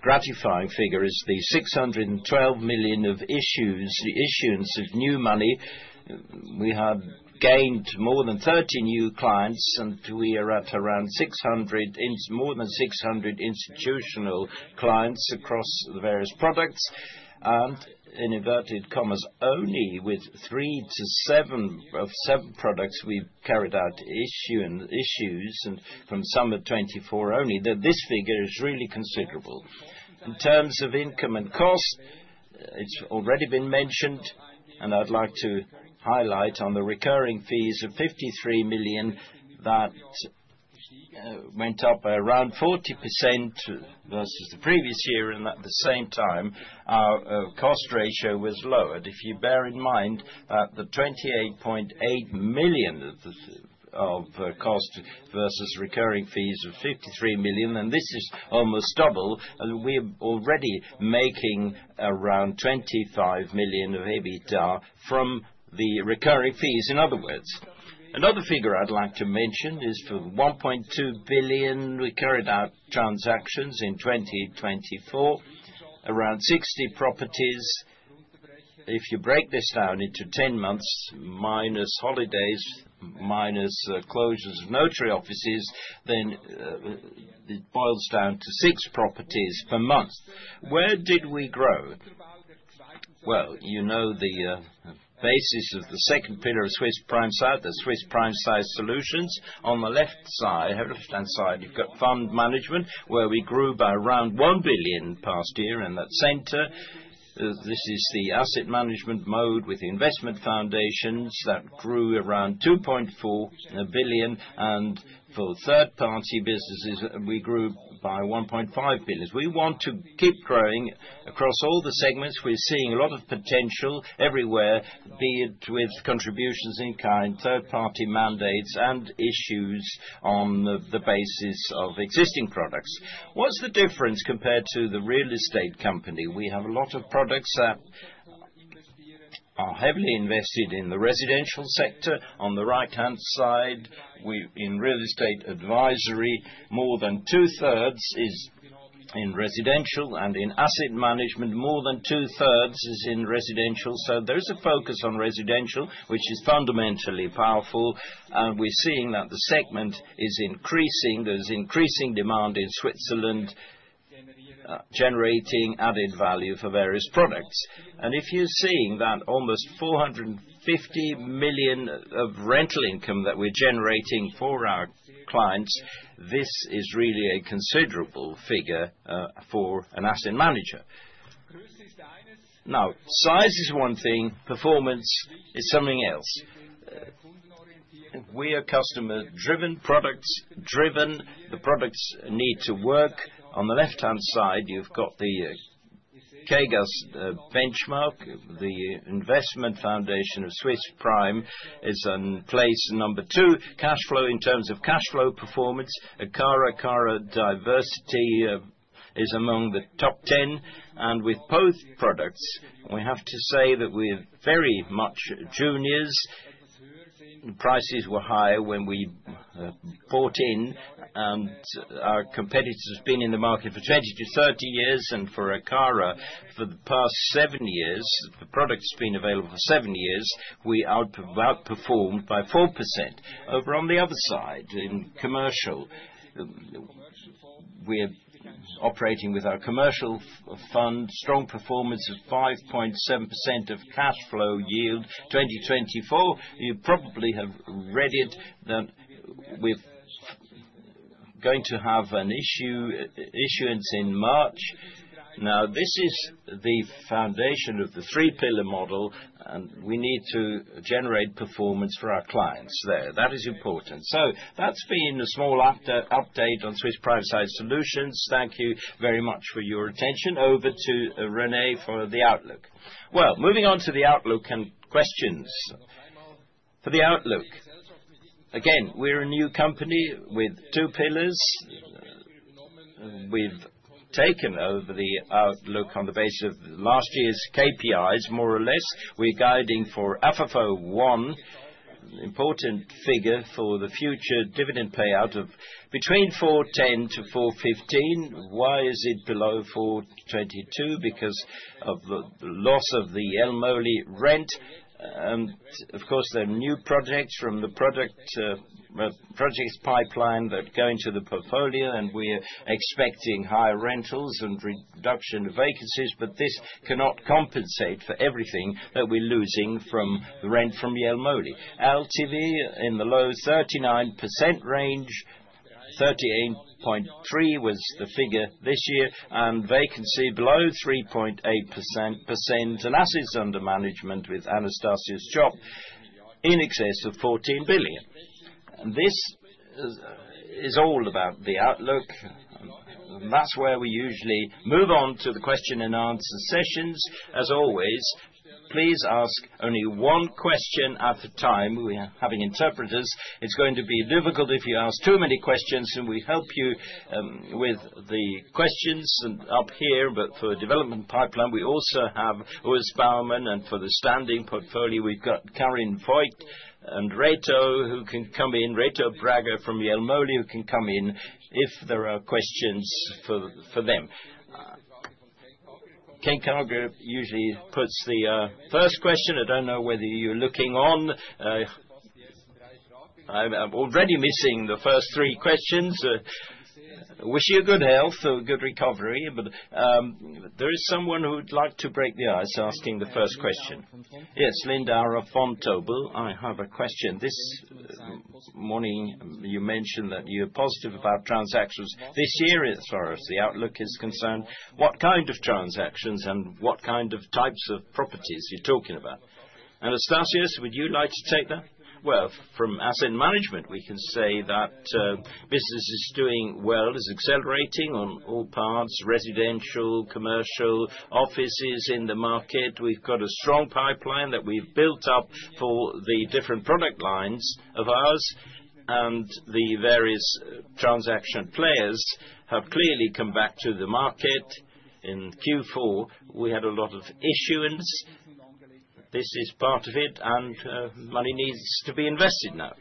gratifying figure is the 612 million of issuance of new money. We have gained more than 30 new clients, and we are at around more than 600 institutional clients across the various products. In inverted commas, only with 3 to 7 of 7 products we've carried out issues from summer 2024 only, this figure is really considerable. In terms of income and cost, it's already been mentioned, and I'd like to highlight on the recurring fees of 53 million that went up by around 40% versus the previous year. At the same time, our cost ratio was lowered. If you bear in mind that the 28.8 million of cost versus recurring fees of 53 million, then this is almost double. We're already making around 25 million of EBITDA from the recurring fees, in other words. Another figure I'd like to mention is for 1.2 billion we carried out transactions in 2024, around 60 properties. If you break this down into 10 months minus holidays, minus closures of notary offices, then it boils down to six properties per month. Where did we grow? You know the basis of the second pillar of Swiss Prime Site, the Swiss Prime Site Solutions. On the left side, you've got fund management, where we grew by around 1 billion past year. And at center, this is the asset management mode with the investment foundations that grew around 2.4 billion. And for third-party businesses, we grew by 1.5 billion. We want to keep growing across all the segments. We're seeing a lot of potential everywhere, be it with contributions in kind, third-party mandates, and issues on the basis of existing products. What's the difference compared to the real estate company? We have a lot of products that are heavily invested in the residential sector. On the right-hand side, in real estate advisory, more than two-thirds is in residential. And in asset management, more than two-thirds is in residential. So there is a focus on residential, which is fundamentally powerful. And we're seeing that the segment is increasing. There's increasing demand in Switzerland generating added value for various products. And if you're seeing that almost 450 million of rental income that we're generating for our clients, this is really a considerable figure for an asset manager. Now, size is one thing. Performance is something else. We are customer-driven, product-driven. The products need to work. On the left-hand side, you've got the KGAST benchmark. The investment foundation of Swiss Prime is in place number two. Cash flow in terms of cash flow performance, Akara, Akara Diversity is among the top 10. And with both products, we have to say that we're very much juniors. The prices were higher when we bought in. Our competitors have been in the market for 20 to 30 years. For Akara, for the past seven years, the product has been available for seven years. We outperformed by 4%. Over on the other side, in commercial, we're operating with our commercial fund, strong performance of 5.7% of cash flow yield 2024. You probably have read it that we're going to have an issuance in March. Now, this is the foundation of the three-pillar model, and we need to generate performance for our clients there. That is important. That's been a small update on Swiss Prime Site Solutions. Thank you very much for your attention. Over to René for the outlook. Moving on to the outlook and questions. For the outlook, again, we're a new company with two pillars. We've taken over the outlook on the basis of last year's KPIs, more or less. We're guiding for FFO1, an important figure for the future dividend payout of between 410 to 415. Why is it below 422? Because of the loss of the Jelmoli rent, and of course, there are new projects from the projects pipeline that go into the portfolio, and we're expecting higher rentals and reduction of vacancies, but this cannot compensate for everything that we're losing from the rent from the Jelmoli. LTV in the low 39% range, 38.3% was the figure this year, and vacancy below 3.8%, and assets under management with Anastasius Tschopp in excess of 14 billion, and this is all about the outlook, and that's where we usually move on to the question and answer sessions. As always, please ask only one question at a time. We are having interpreters. It's going to be difficult if you ask too many questions. And we help you with the questions up here. But for development pipeline, we also have Urs Baumann. And for the standing portfolio, we've got Karin Voigt and Reto, who can come in. Reto Brägger from the Jelmoli, who can come in if there are questions for them. Ken Kagerer usually puts the first question. I don't know whether you're looking on. I'm already missing the first three questions. Wish you good health or good recovery. But there is someone who'd like to break the ice asking the first question. Yes, Lindauer from Vontobel, I have a question. This morning, you mentioned that you're positive about transactions this year as far as the outlook is concerned. What kind of transactions and what kind of types of properties are you talking about? Anastasius, would you like to take that? From asset management, we can say that business is doing well, is accelerating on all parts, residential, commercial, offices in the market. We've got a strong pipeline that we've built up for the different product lines of ours. The various transaction players have clearly come back to the market. In Q4, we had a lot of issuance. This is part of it. Money needs to be invested now.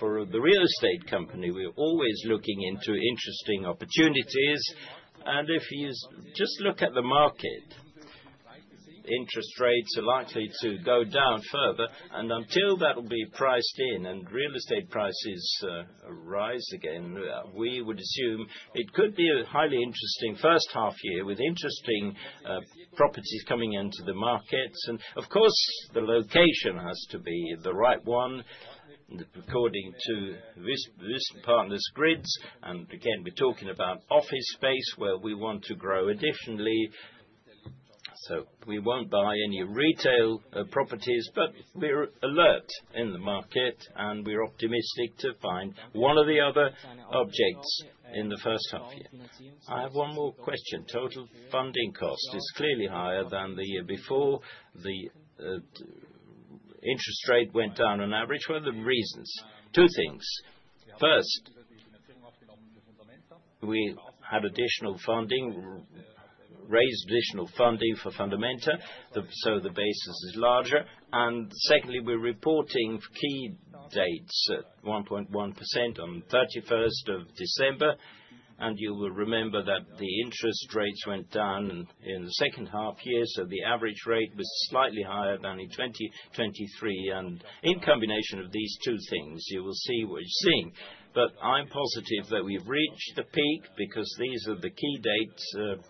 For the real estate company, we're always looking into interesting opportunities. If you just look at the market, interest rates are likely to go down further. Until that will be priced in and real estate prices rise again, we would assume it could be a highly interesting first half year with interesting properties coming into the markets. Of course, the location has to be the right one according to this partner's grids. And again, we're talking about office space where we want to grow additionally. So we won't buy any retail properties. But we're alert in the market, and we're optimistic to find one or the other objects in the first half year. I have one more question. Total funding cost is clearly higher than the year before. The interest rate went down on average. What are the reasons? Two things. First, we had additional funding, raised additional funding for Fundamenta, so the basis is larger. And secondly, we're reporting key dates at 1.1% on 31st of December. And you will remember that the interest rates went down in the second half year, so the average rate was slightly higher than in 2023. And in combination of these two things, you will see what you're seeing. But I'm positive that we've reached the peak because these are the key dates,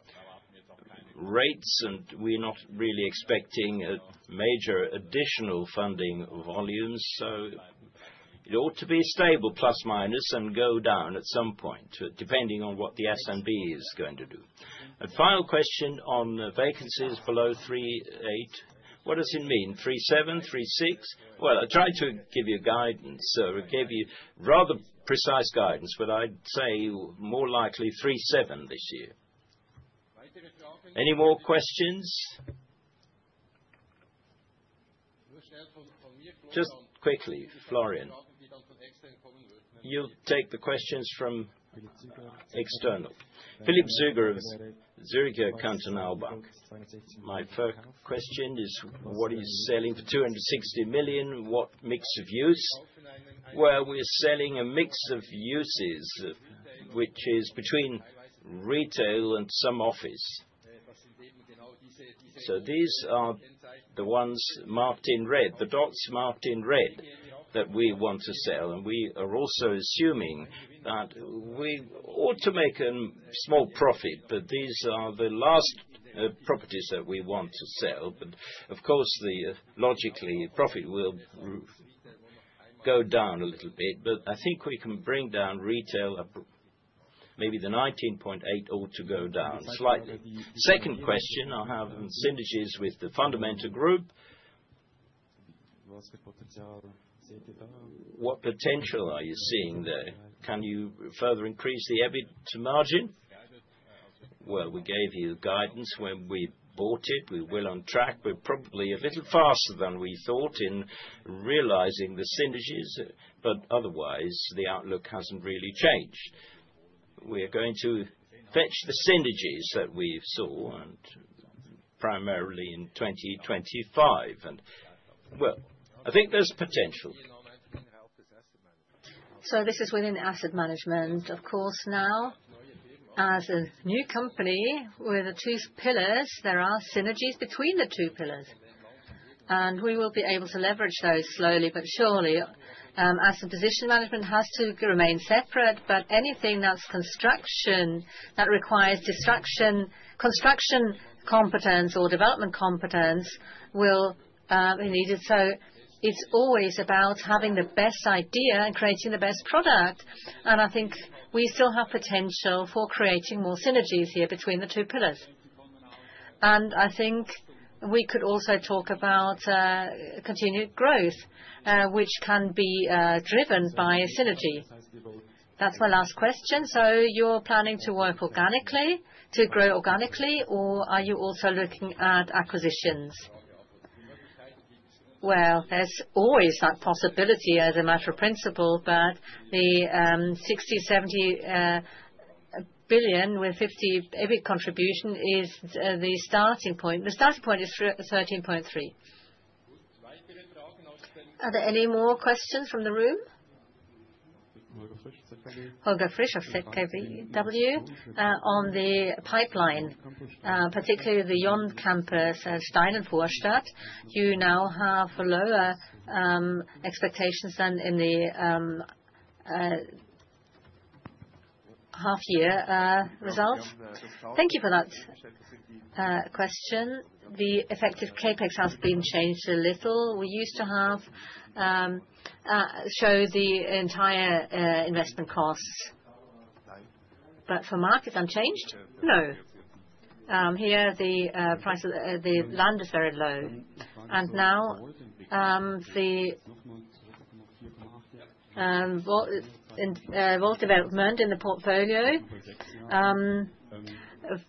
rates, and we're not really expecting major additional funding volumes. So it ought to be stable, plus minus, and go down at some point, depending on what the SNB is going to do. A final question on vacancies below 38. What does it mean? 37, 36? Well, I tried to give you guidance or give you rather precise guidance, but I'd say more likely 37 this year. Any more questions? Just quickly, Florian, you'll take the questions from external. Philippe Züger of Zürcher Kantonalbank. My first question is, what are you selling for 260 million? What mix of use? Well, we're selling a mix of uses, which is between retail and some office. So these are the ones marked in red, the dots marked in red that we want to sell. We are also assuming that we ought to make a small profit, but these are the last properties that we want to sell. But of course, logically, profit will go down a little bit. I think we can bring down retail up. Maybe the 19.8% ought to go down slightly. Second question, I have synergies with the Fundamenta Group. What potential are you seeing there? Can you further increase the EBIT margin? We gave you guidance when we bought it. We're well on track. We're probably a little faster than we thought in realizing the synergies. But otherwise, the outlook hasn't really changed. We're going to fetch the synergies that we saw primarily in 2025. I think there's potential. This is within asset management, of course, now. As a new company, we're the two pillars. There are synergies between the two pillars. We will be able to leverage those slowly but surely. Asset position management has to remain separate. Anything that's construction that requires construction competence or development competence will be needed. It's always about having the best idea and creating the best product. I think we still have potential for creating more synergies here between the two pillars. I think we could also talk about continued growth, which can be driven by a synergy. That's my last question. You're planning to work organically, to grow organically, or are you also looking at acquisitions? There's always that possibility as a matter of principle. The 60-70 billion with 50 EBIT contribution is the starting point. The starting point is 13.3. Are there any more questions from the room? Holger Fisch of ZKB on the pipeline, particularly the Yond, Campus Stein and Vorstadt. You now have lower expectations than in the half-year results. Thank you for that question. The effective CapEx has been changed a little. We used to have to show the entire investment costs. But for market, unchanged? No. Here, the land is very low. And now, the WAULT development in the portfolio,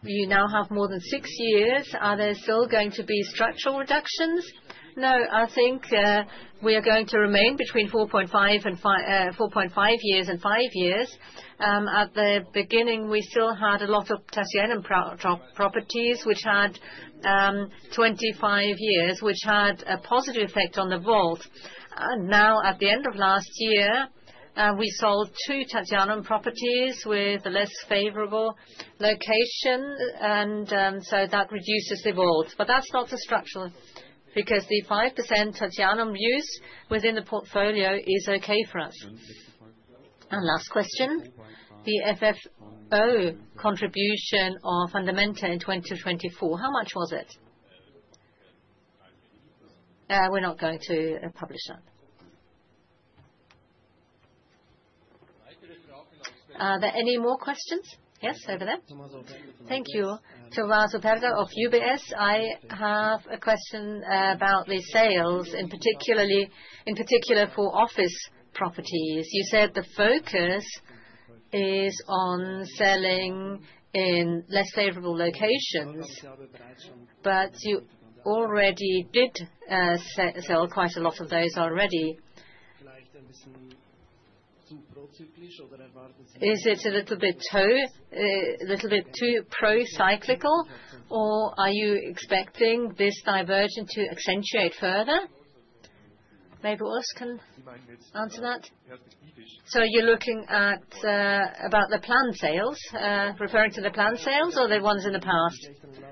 you now have more than six years. Are there still going to be structural reductions? No, I think we are going to remain between 4.5 years and five years. At the beginning, we still had a lot of Tertianum properties, which had 25 years, which had a positive effect on the WAULT. Now, at the end of last year, we sold two Tertianum properties with a less favorable location. And so that reduces the WAULT. But that's not the structural because the 5% Tertianum use within the portfolio is okay for us. Last question, the FFO contribution of Fundamenta in 2024, how much was it? We're not going to publish that. Are there any more questions? Yes, over there. Thank you. To Tommaso Bertoia of UBS, I have a question about the sales, in particular for office properties. You said the focus is on selling in less favorable locations. But you already did sell quite a lot of those already. Is it a little bit too pro-cyclical, or are you expecting this divergence to accentuate further? Maybe Urs can answer that. So you're looking about the planned sales, referring to the planned sales or the ones in the past?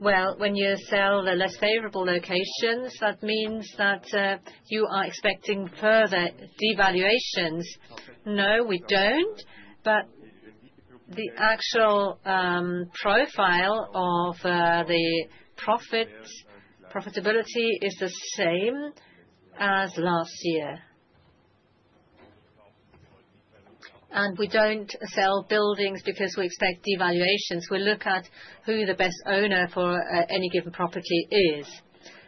Well, when you sell the less favorable locations, that means that you are expecting further devaluations. No, we don't. But the actual profile of the profitability is the same as last year. And we don't sell buildings because we expect devaluations. We look at who the best owner for any given property is.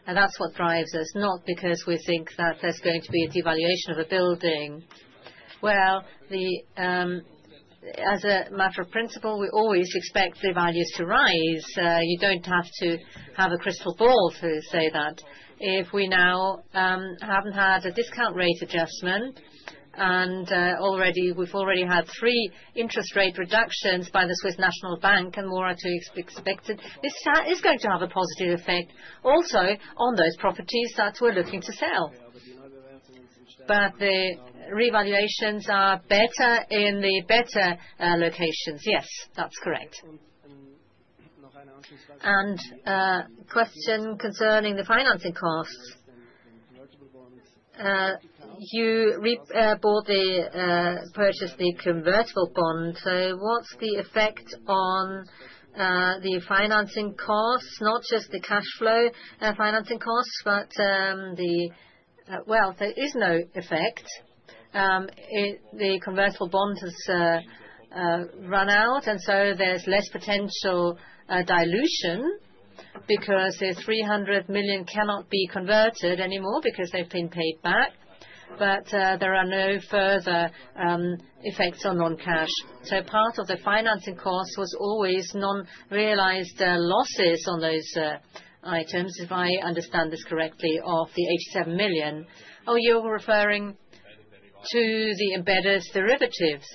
And that's what drives us, not because we think that there's going to be a devaluation of a building. Well, as a matter of principle, we always expect the values to rise. You don't have to have a crystal ball to say that. If we now haven't had a discount rate adjustment, and we've already had three interest rate reductions by the Swiss National Bank, and more are to be expected, this is going to have a positive effect also on those properties that we're looking to sell. But the revaluations are better in the better locations. Yes, that's correct. And question concerning the financing costs. You bought the purchase the convertible bond. So what's the effect on the financing costs, not just the cash flow financing costs, but the well, there is no effect. The convertible bond has run out, and so there's less potential dilution because the 300 million cannot be converted anymore because they've been paid back. But there are no further effects on non-cash. So part of the financing cost was always unrealized losses on those items, if I understand this correctly, of the 87 million. Oh, you're referring to the embedded derivatives.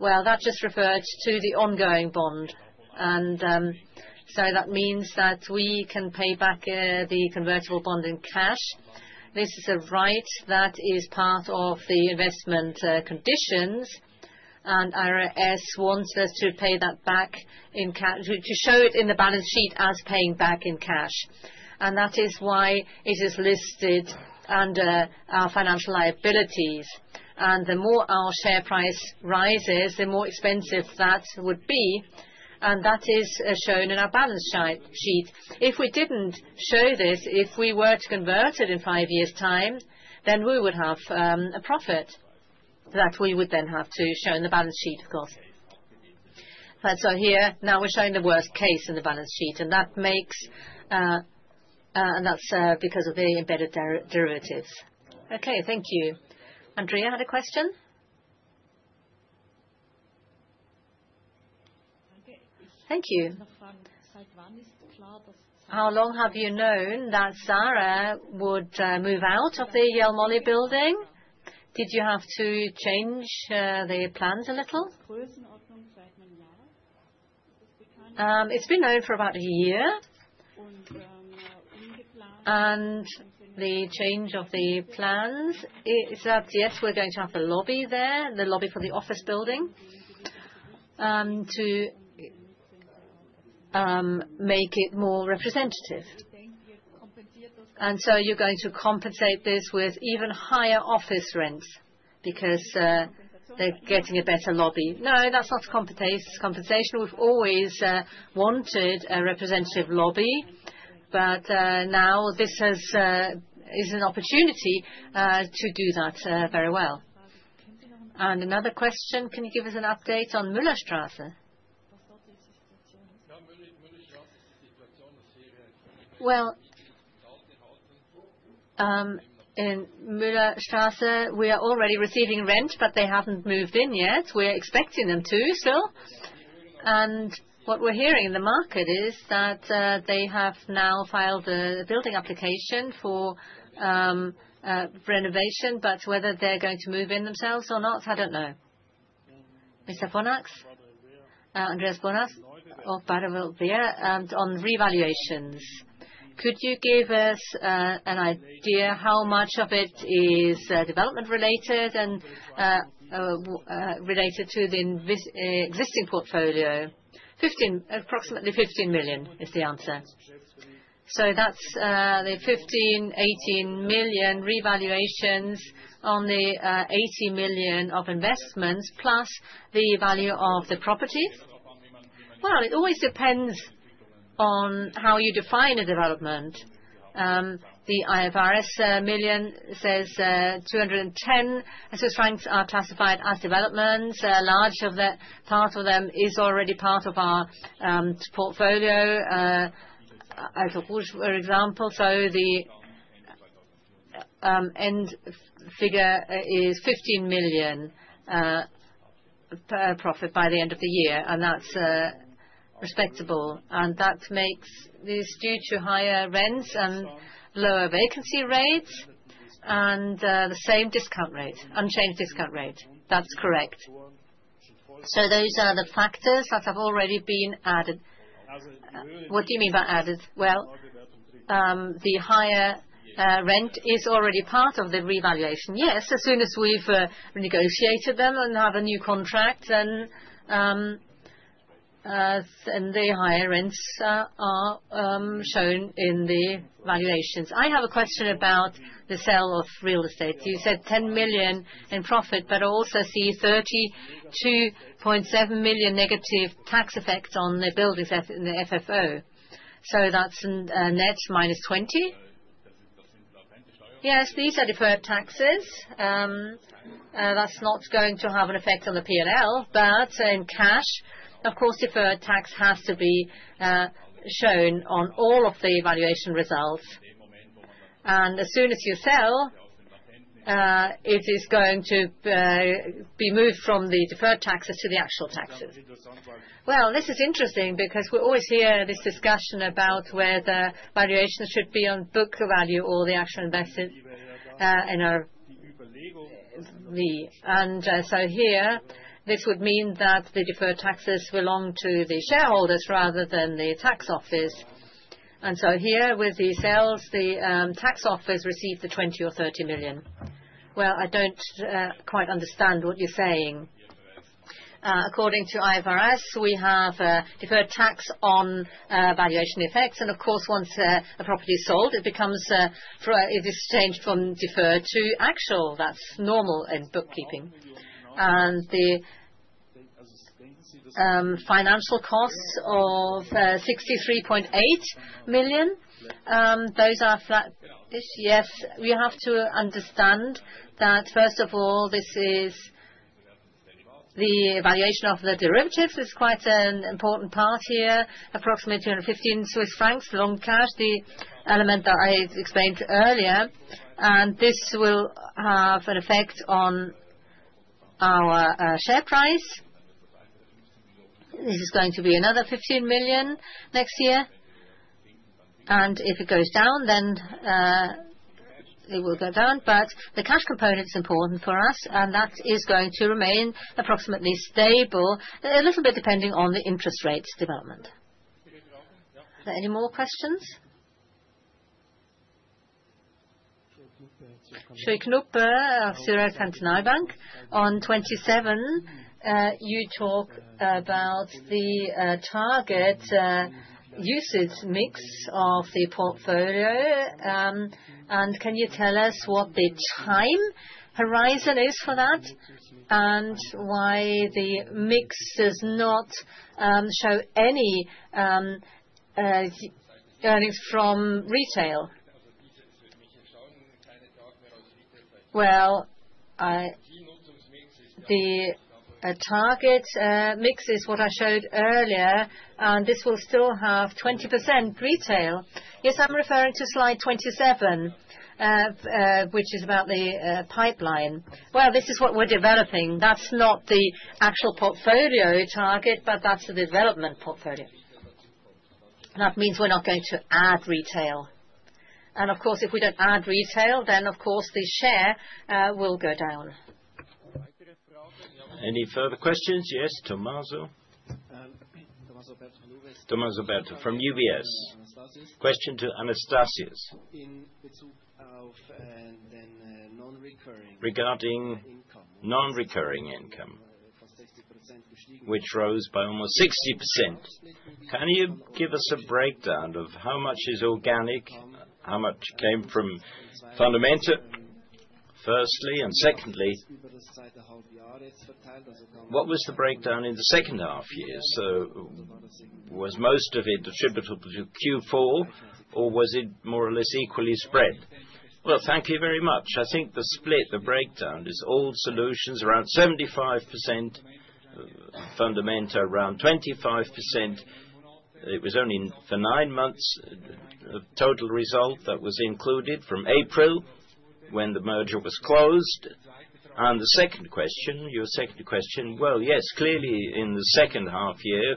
Well, that just refers to the ongoing bond. And so that means that we can pay back the convertible bond in cash. This is a right that is part of the investment conditions. And IFRS wants us to pay that back in cash, to show it in the balance sheet as paying back in cash. And that is why it is listed under our financial liabilities. And the more our share price rises, the more expensive that would be. And that is shown in our balance sheet. If we didn't show this, if we were to convert it in five years' time, then we would have a profit that we would then have to show in the balance sheet, of course. But so here, now we're showing the worst case in the balance sheet. And that's because of the embedded derivatives. Okay, thank you. Andreas had a question. Thank you. How long have you known that Zara would move out of the Jelmoli building? Did you have to change the plans a little? It's been known for about a year. And the change of the plans is that, yes, we're going to have a lobby there, the lobby for the office building, to make it more representative. And so you're going to compensate this with even higher office rents because they're getting a better lobby. No, that's not compensation. We've always wanted a representative lobby, but now this is an opportunity to do that very well. Another question: can you give us an update on Müllerstrasse? In Müllerstrasse, we are already receiving rent, but they haven't moved in yet. We're expecting them to still. What we're hearing in the market is that they have now filed a building application for renovation. Whether they're going to move in themselves or not, I don't know. Mr. von Arx, Andreas von Arx of Baader Helvea on revaluations. Could you give us an idea how much of it is development-related and related to the existing portfolio? Approximately 15 million is the answer. That's the 15-18 million revaluations on the 80 million of investments plus the value of the properties. It always depends on how you define a development. The IFRS valuation says 210. Assets are classified as developments. part of that, part of them is already part of our portfolio, for example. The end figure is 15 million profit by the end of the year. That's respectable. That makes this due to higher rents and lower vacancy rates and the same discount rate, unchanged discount rate. That's correct. Those are the factors that have already been added. What do you mean by added? Well, the higher rent is already part of the revaluation. Yes, as soon as we've renegotiated them and have a new contract, then the higher rents are shown in the valuations. I have a question about the sale of real estate. You said 10 million in profit, but I also see 32.7 million negative tax effect on the buildings in the FFO. That's a net minus 20 million? Yes, these are deferred taxes. That's not going to have an effect on the P&L, but in cash, of course, deferred tax has to be shown on all of the evaluation results. And as soon as you sell, it is going to be moved from the deferred taxes to the actual taxes. Well, this is interesting because we always hear this discussion about whether valuations should be on book value or the actual invested in the. And so here, this would mean that the deferred taxes belong to the shareholders rather than the tax office. And so here, with the sales, the tax office receives the 20 million or 30 million. Well, I don't quite understand what you're saying. According to IFRS, we have a deferred tax on valuation effects. And of course, once a property is sold, it is changed from deferred to actual. That's normal in bookkeeping. And the financial costs of 63.8 million, those are flat. Yes, we have to understand that, first of all, the evaluation of the derivatives is quite an important part here, approximately 215 million Swiss francs non-cash, the element that I explained earlier. And this will have an effect on our share price. This is going to be another 15 million next year. And if it goes down, then it will go down. But the cash component is important for us, and that is going to remain approximately stable, a little bit depending on the interest rates development. Any more questions? Philippe Züger of Zürcher Kantonalbank. On 27, you talk about the target usage mix of the portfolio. And can you tell us what the time horizon is for that and why the mix does not show any earnings from retail? The target mix is what I showed earlier, and this will still have 20% retail. Yes, I'm referring to slide 27, which is about the pipeline. This is what we're developing. That's not the actual portfolio target, but that's the development portfolio. That means we're not going to add retail. And of course, if we don't add retail, then of course, the share will go down. Any further questions? Yes, Tommaso. Tommaso Bertoia from UBS. Question to Anastasius regarding non-recurring income, which rose by almost 60%. Can you give us a breakdown of how much is organic, how much came from Fundamenta, firstly? And secondly, what was the breakdown in the second half year? So was most of it attributable to Q4, or was it more or less equally spread? Thank you very much. I think the split, the breakdown is all solutions around 75%, Fundamenta around 25%. It was only for nine months of total result that was included from April when the merger was closed. And the second question, your second question, well, yes, clearly in the second half year,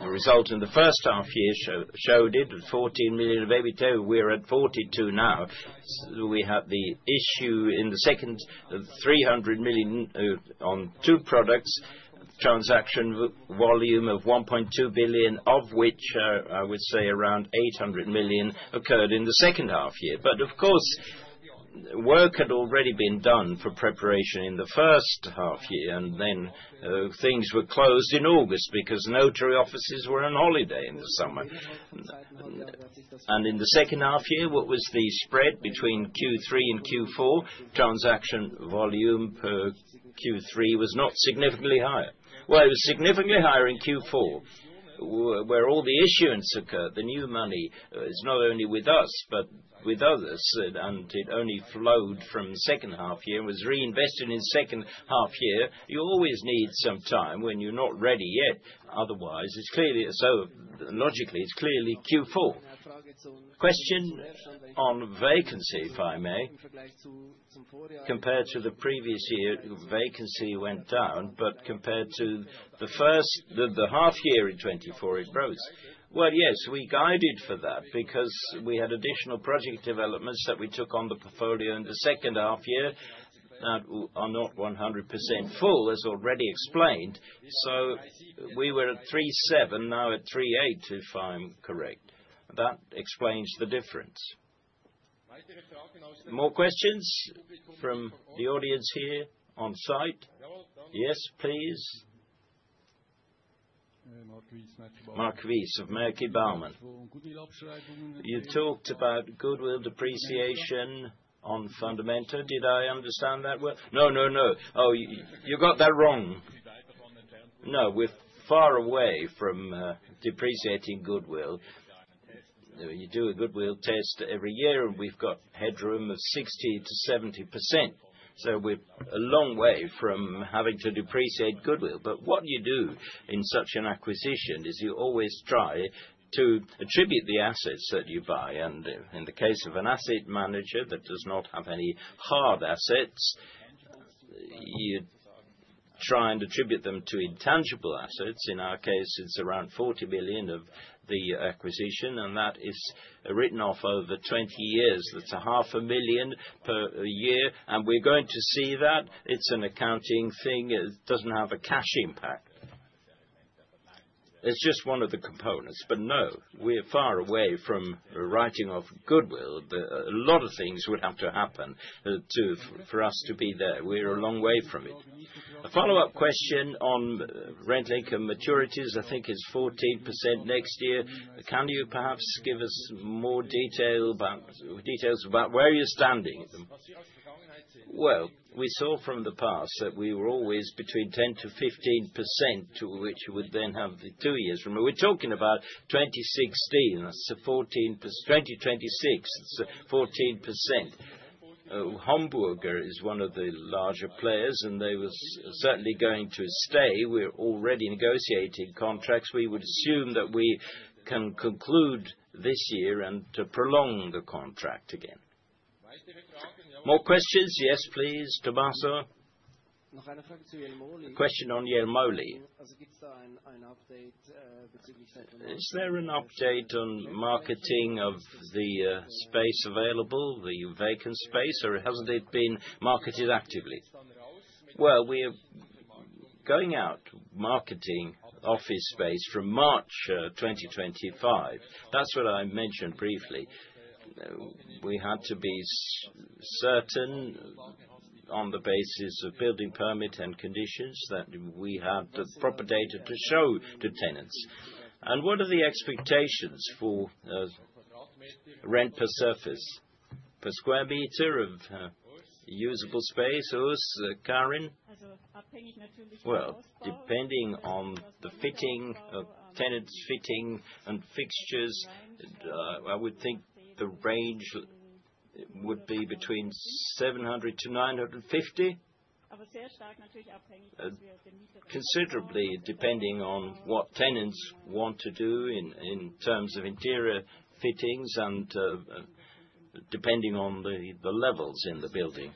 the result in the first half year showed it at 14 million of EBITDA. We're at 42 million now. We had the issue in the second, 300 million on two products, transaction volume of 1.2 billion, of which I would say around 800 million occurred in the second half year. But of course, work had already been done for preparation in the first half year, and then things were closed in August because notary offices were on holiday in the summer. And in the second half year, what was the spread between Q3 and Q4? Transaction volume per Q3 was not significantly higher. It was significantly higher in Q4, where all the issuance occurred. The new money is not only with us, but with others. And it only flowed from second half year and was reinvested in second half year. You always need some time when you're not ready yet. Otherwise, logically, it's clearly Q4. Question on vacancy, if I may. Compared to the previous year, vacancy went down, but compared to the first half year in 2024, it rose. Yes, we guided for that because we had additional project developments that we took on the portfolio in the second half year that are not 100% full, as already explained. So we were at 3.7%, now at 3.8%, if I'm correct. That explains the difference. More questions from the audience here on site? Yes, please. Maerki Baumann. You talked about goodwill depreciation on Fundamenta. Did I understand that well? No, no, no. Oh, you got that wrong. No, we're far away from depreciating goodwill. You do a goodwill test every year, and we've got headroom of 60%-70%. So we're a long way from having to depreciate goodwill. But what you do in such an acquisition is you always try to attribute the assets that you buy. And in the case of an asset manager that does not have any hard assets, you try and attribute them to intangible assets. In our case, it's around 40 million of the acquisition, and that is written off over 20 years.\ That's 500,000 per year. And we're going to see that. It's an accounting thing. It doesn't have a cash impact. It's just one of the components. But no, we're far away from writing off goodwill. A lot of things would have to happen for us to be there. We're a long way from it. A follow-up question on rent income maturities, I think it's 14% next year. Can you perhaps give us more details about where you're standing? Well, we saw from the past that we were always between 10% to 15%, which would then have the two years. We're talking about 2016. That's 2026. It's 14%. Homburger is one of the larger players, and they were certainly going to stay. We're already negotiating contracts. We would assume that we can conclude this year and prolong the contract again. More questions? Yes, please. Tommaso. Question on Jelmoli. Is there an update on marketing of the space available, the vacant space, or hasn't it been marketed actively? Well, we're going out marketing office space from March 2025. That's what I mentioned briefly. We had to be certain on the basis of building permit and conditions that we had the proper data to show to tenants and what are the expectations for rent per surface, per square meter of usable space. Well, depending on the fitting, tenants' fitting and fixtures, I would think the range would be between 700 to 950. Considerably depending on what tenants want to do in terms of interior fittings and depending on the levels in the building.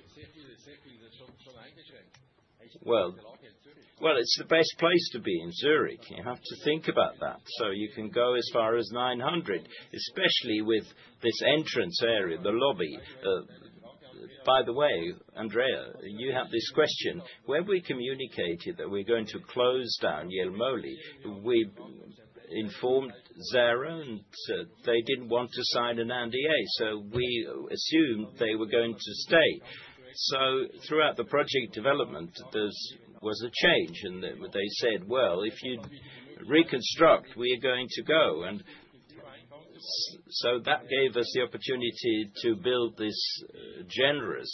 Well, it's the best place to be in Zurich. You have to think about that. So you can go as far as 900, especially with this entrance area, the lobby. By the way, Andreas, you have this question. When we communicated that we're going to close down Jelmoli, we informed Zara, and they didn't want to sign an NDA, so we assumed they were going to stay. Throughout the project development, there was a change. And they said, "Well, if you reconstruct, we are going to go." And so that gave us the opportunity to build this generous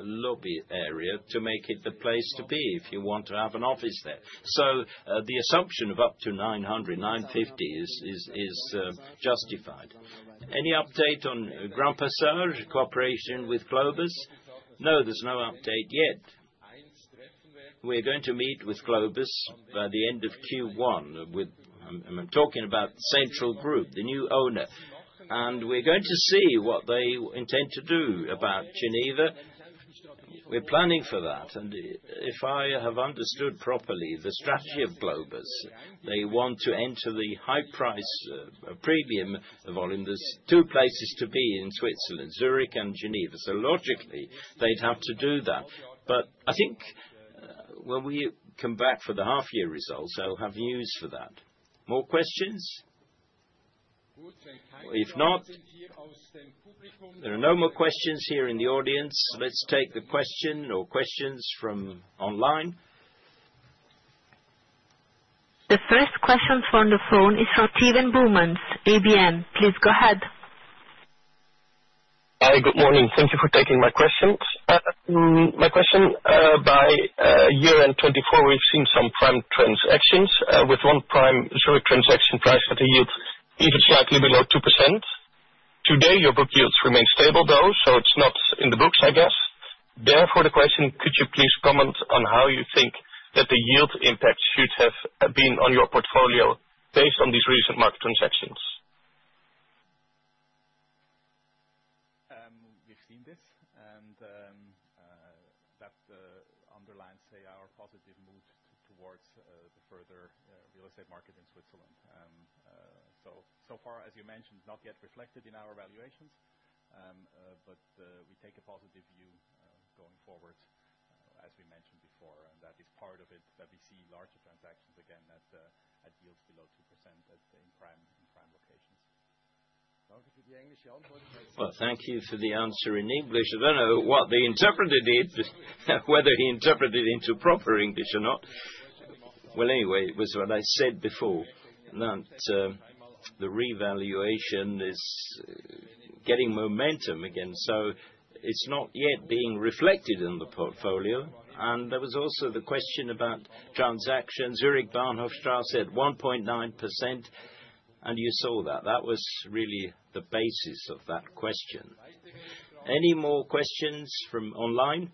lobby area to make it the place to be if you want to have an office there. So the assumption of up to 900-950 is justified. Any update on Grand Passage cooperation with Globus? No, there's no update yet. We're going to meet with Globus by the end of Q1 with. I'm talking about Central Group, the new owner. And we're going to see what they intend to do about Geneva. We're planning for that. And if I have understood properly the strategy of Globus, they want to enter the high-price premium volume. There's two places to be in Switzerland, Zurich and Geneva. So logically, they'd have to do that. But I think when we come back for the half-year results, I'll have news for that. More questions? If not, there are no more questions here in the audience. Let's take the question or questions from online. The first question from the phone is from Steven Boumans, ABN AMRO. Please go ahead. Hi, good morning. Thank you for taking my questions. My question by year-end 2024, we've seen some prime transactions with one prime Zurich transaction price that yields even slightly below 2%. Today, your book yields remain stable, though, so it's not in the books, I guess. Therefore, the question, could you please comment on how you think that the yield impact should have been on your portfolio based on these recent market transactions? We've seen this, and that underlines, say, our positive mood towards the further real estate market in Switzerland. So far, as you mentioned, not yet reflected in our valuations, but we take a positive view going forward, as we mentioned before, and that is part of it, that we see larger transactions again at yields below 2% in prime locations. Well, thank you for the answer in English. I don't know what the interpreter did, whether he interpreted it into proper English or not. Well, anyway, it was what I said before, that the revaluation is getting momentum again, so it's not yet being reflected in the portfolio, and there was also the question about transactions. Zurich, Bahnhofstrasse said 1.9%, and you saw that. That was really the basis of that question. Any more questions from online?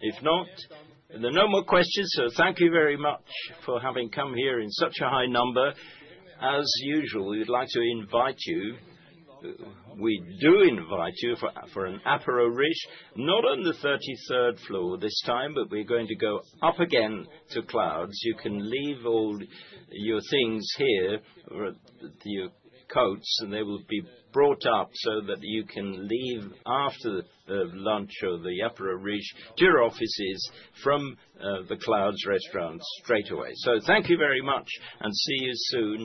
If not, there are no more questions, so thank you very much for having come here in such a high number. As usual, we'd like to invite you. We do invite you for an Aperol Spritz, not on the 33rd floor this time, but we're going to go up again to Clouds. You can leave all your things here, your coats, and they will be brought up so that you can leave after lunch or the Aperol Spritz to your offices from the Clouds Restaurant straight away. Thank you very much, and see you soon.